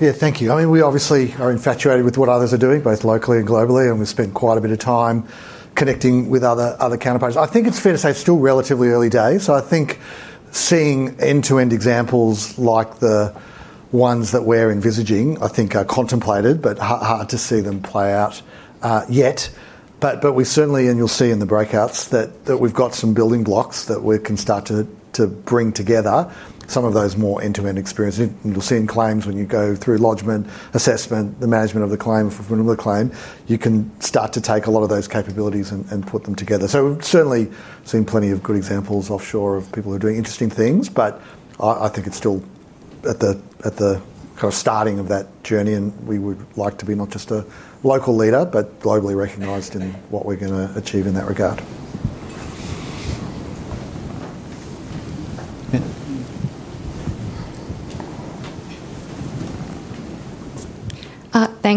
Yeah, thank you. I mean we obviously are infatuated with what others are doing both locally and globally, and we've spent quite a bit of time connecting with other counterparts. I think it's fair to say still relatively early days. I think seeing end-to-end examples like the ones that we're envisaging are contemplated but hard to see them play out yet. We certainly, and you'll see in the breakouts, have some building blocks that we can start to bring together for some of those more end-to-end experiences. You'll see in claims when you go through lodgement, assessment, the management of the claim from another claim, you can start to take a lot of those capabilities and put them together. We've certainly seen plenty of good examples offshore of people who are doing interesting things. I think it's still at the starting of that journey, and we would like to be not just a local leader but globally recognized in what we're going to achieve in that regard.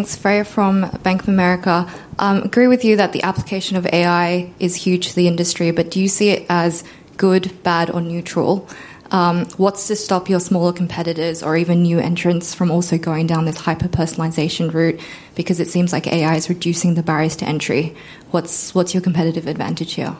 Thanks, Freya from Bank of America. Agree with you that the application of AI is huge to the industry. Do you see it as good, bad, or neutral? What's to stop your smaller competitors or even new entrants from also going down? This hyper-personalization route? Because it seems like AI is reducing the barriers to entry. What's your competitive advantage here?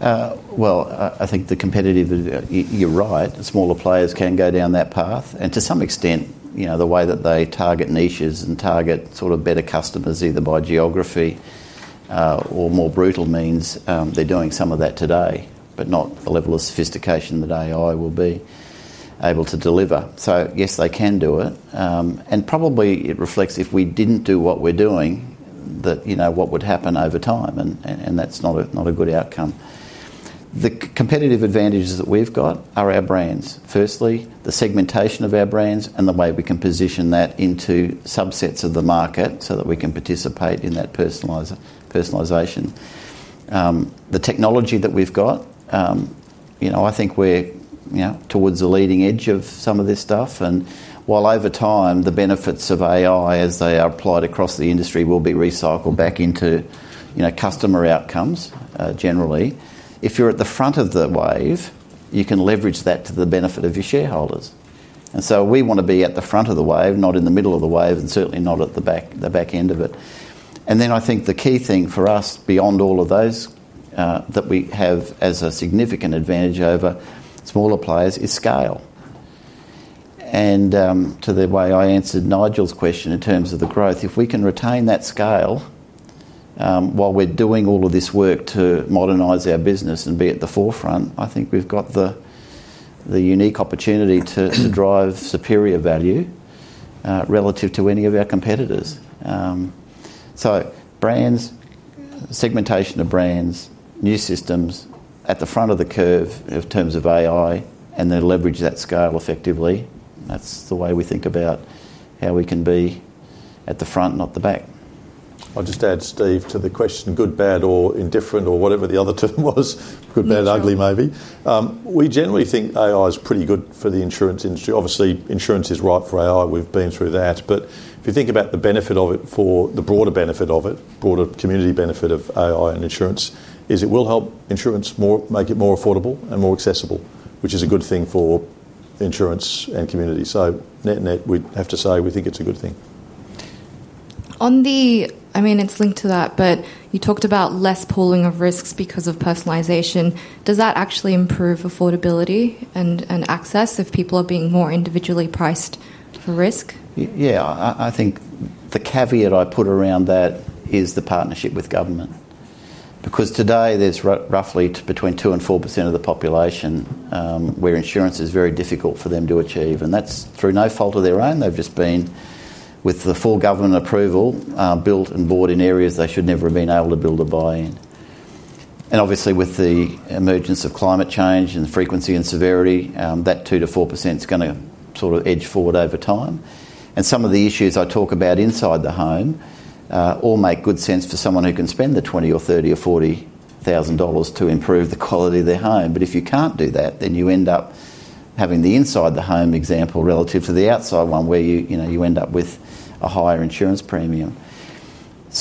I think the competitive. You're right, smaller players can go down that path and to some extent, the way that they target niches and target sort of better customers, either by geography or more brutal means, they're doing some of that today, but not a level of sophistication that AI will be able to deliver. Yes, they can do it. It probably reflects if we didn't do what we're doing, that, you know, what would happen over time. That's not a good outcome. The competitive advantages that we've got are our brands. Firstly, the segmentation of our brands and the way we can position that into subsets of the market so that we can participate in that personalisation, the technology that we've got, you know, I think we're towards the leading edge of some of this stuff. While over time, the benefits of AI, as they are applied across the industry, will be recycled back into customer outcomes, generally if you're at the front of the wave, you can leverage that to the benefit of your shareholders. We want to be at the front of the wave, not in the middle of the wave and certainly not at the back end of it. I think the key thing for us, beyond all of those that we have as a significant advantage over smaller players, is scale. To the way I answered Nigel's question, in terms of the growth, if we can retain that scale while we're doing all of this work to modernise our business and be at the forefront, I think we've got the unique opportunity to drive superior value relative to any of our competitors. Brands, segmentation of brands, new systems at the front of the curve in terms of AI, and then leverage that scale effectively. That's the way we think about how we can be at the front, not the back. I'll just add Steve to the question. Good, bad or indifferent or whatever the other term was. Good, bad, ugly, maybe, we generally think AI is pretty good for the insurance industry. Obviously, insurance is right for AI, we've been through that. If you think about the benefit of it, for the broader benefit of it, broader community benefit of AI and insurance is it will help insurance more, make it more affordable and more accessible, which is a good thing for insurance and communities. Net, net we have to say we think it's a good thing on. I mean it's linked to that. You talked about less pooling of risks because of personalization. Does that actually improve affordability and access? If people are being more individually priced for risk? Yeah, I think the caveat I put around that is the partnership with government because today there's roughly between 2% and 4% of the population where insurance is very difficult for them to achieve. That's through no fault of their own. They've just been, with the full government approval, built and bought in areas they should never have been able to build or buy in. Obviously, with the emergence of climate change and frequency and severity, that 2%-4% is going to sort of edge forward over time. Some of the issues I talk about inside the home all make good sense for someone who can spend the $20,000 or $30,000 or $40,000 to improve the quality of their home. If you can't do that, then you end up having the inside the home example relative to the outside one where you end up with a higher insurance premium.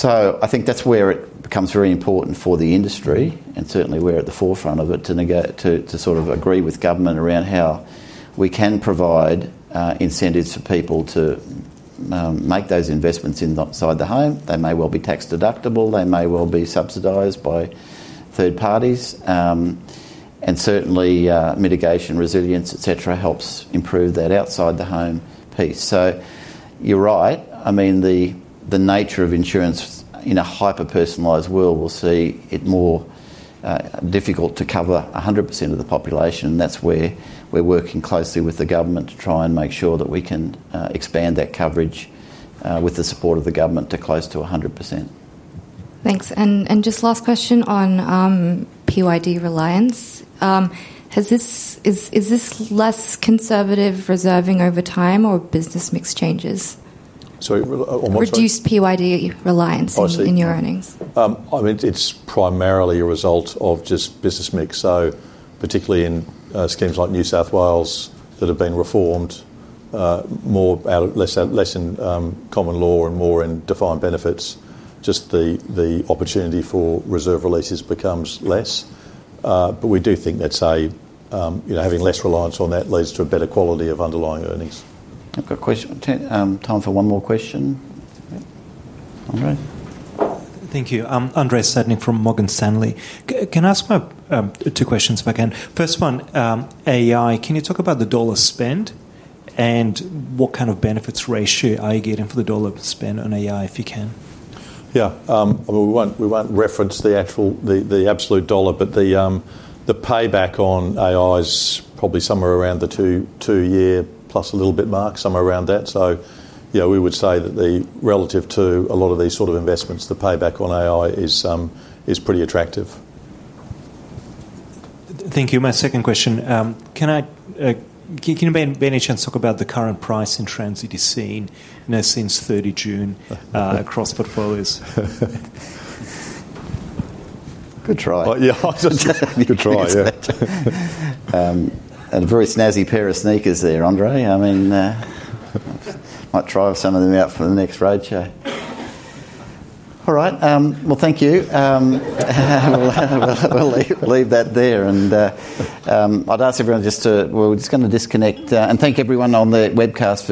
I think that's where it becomes very important for the industry, and certainly we're at the forefront of it, to negotiate, to sort of agree with government around how we can provide incentives for people to make those investments inside the home. They may well be tax deductible, they may well be subsidized by third parties, and certainly mitigation, resilience, etc. helps improve that outside the home. You're right, the nature of insurance in a hyper personalized world will see it more difficult to cover 100% of the population. That's where we're working closely with the government to try and make sure that we can expand that coverage with the support of the government to close to 100%. Thanks. Just last question on PYD reliance. Is this less conservative reserving over tim or business mix changes, so reduced PYD reliance in your earnings? I mean it's primarily a result of just business mix. Particularly in schemes like New South Wales that have been reformed more, less in common law and more in defined benefits, the opportunity for reserve releases becomes less. We do think that's a, you know, having less reliance on that leads to a better quality of underlying earnings. Time for one more question. Thank you. I'm Andrei Stadnik from Morgan Stanley. Can I ask two questions? If I can. First one, AI, can you talk about the dollar spend and what kind of benefits ratio are you going to get for the dollar spent on AI if you can. We won't reference the actual absolute dollar, but the payback on AI is probably somewhere around the two-year plus a little bit mark, somewhere around that. We would say that relative to a lot of these sort of investments, the payback on AI is pretty attractive. Thank you. My second question, can I, by any chance, talk about the current price in trends that you've seen since 30 June across portfolios? Good try. And a very snazzy pair of sneakers there, Andrei. I mean, might try some of them out for the next roadshow. All right. Thank you. We'll leave that there. I'd ask everyone just to, we're just going to disconnect and thank everyone on the webcast for joining.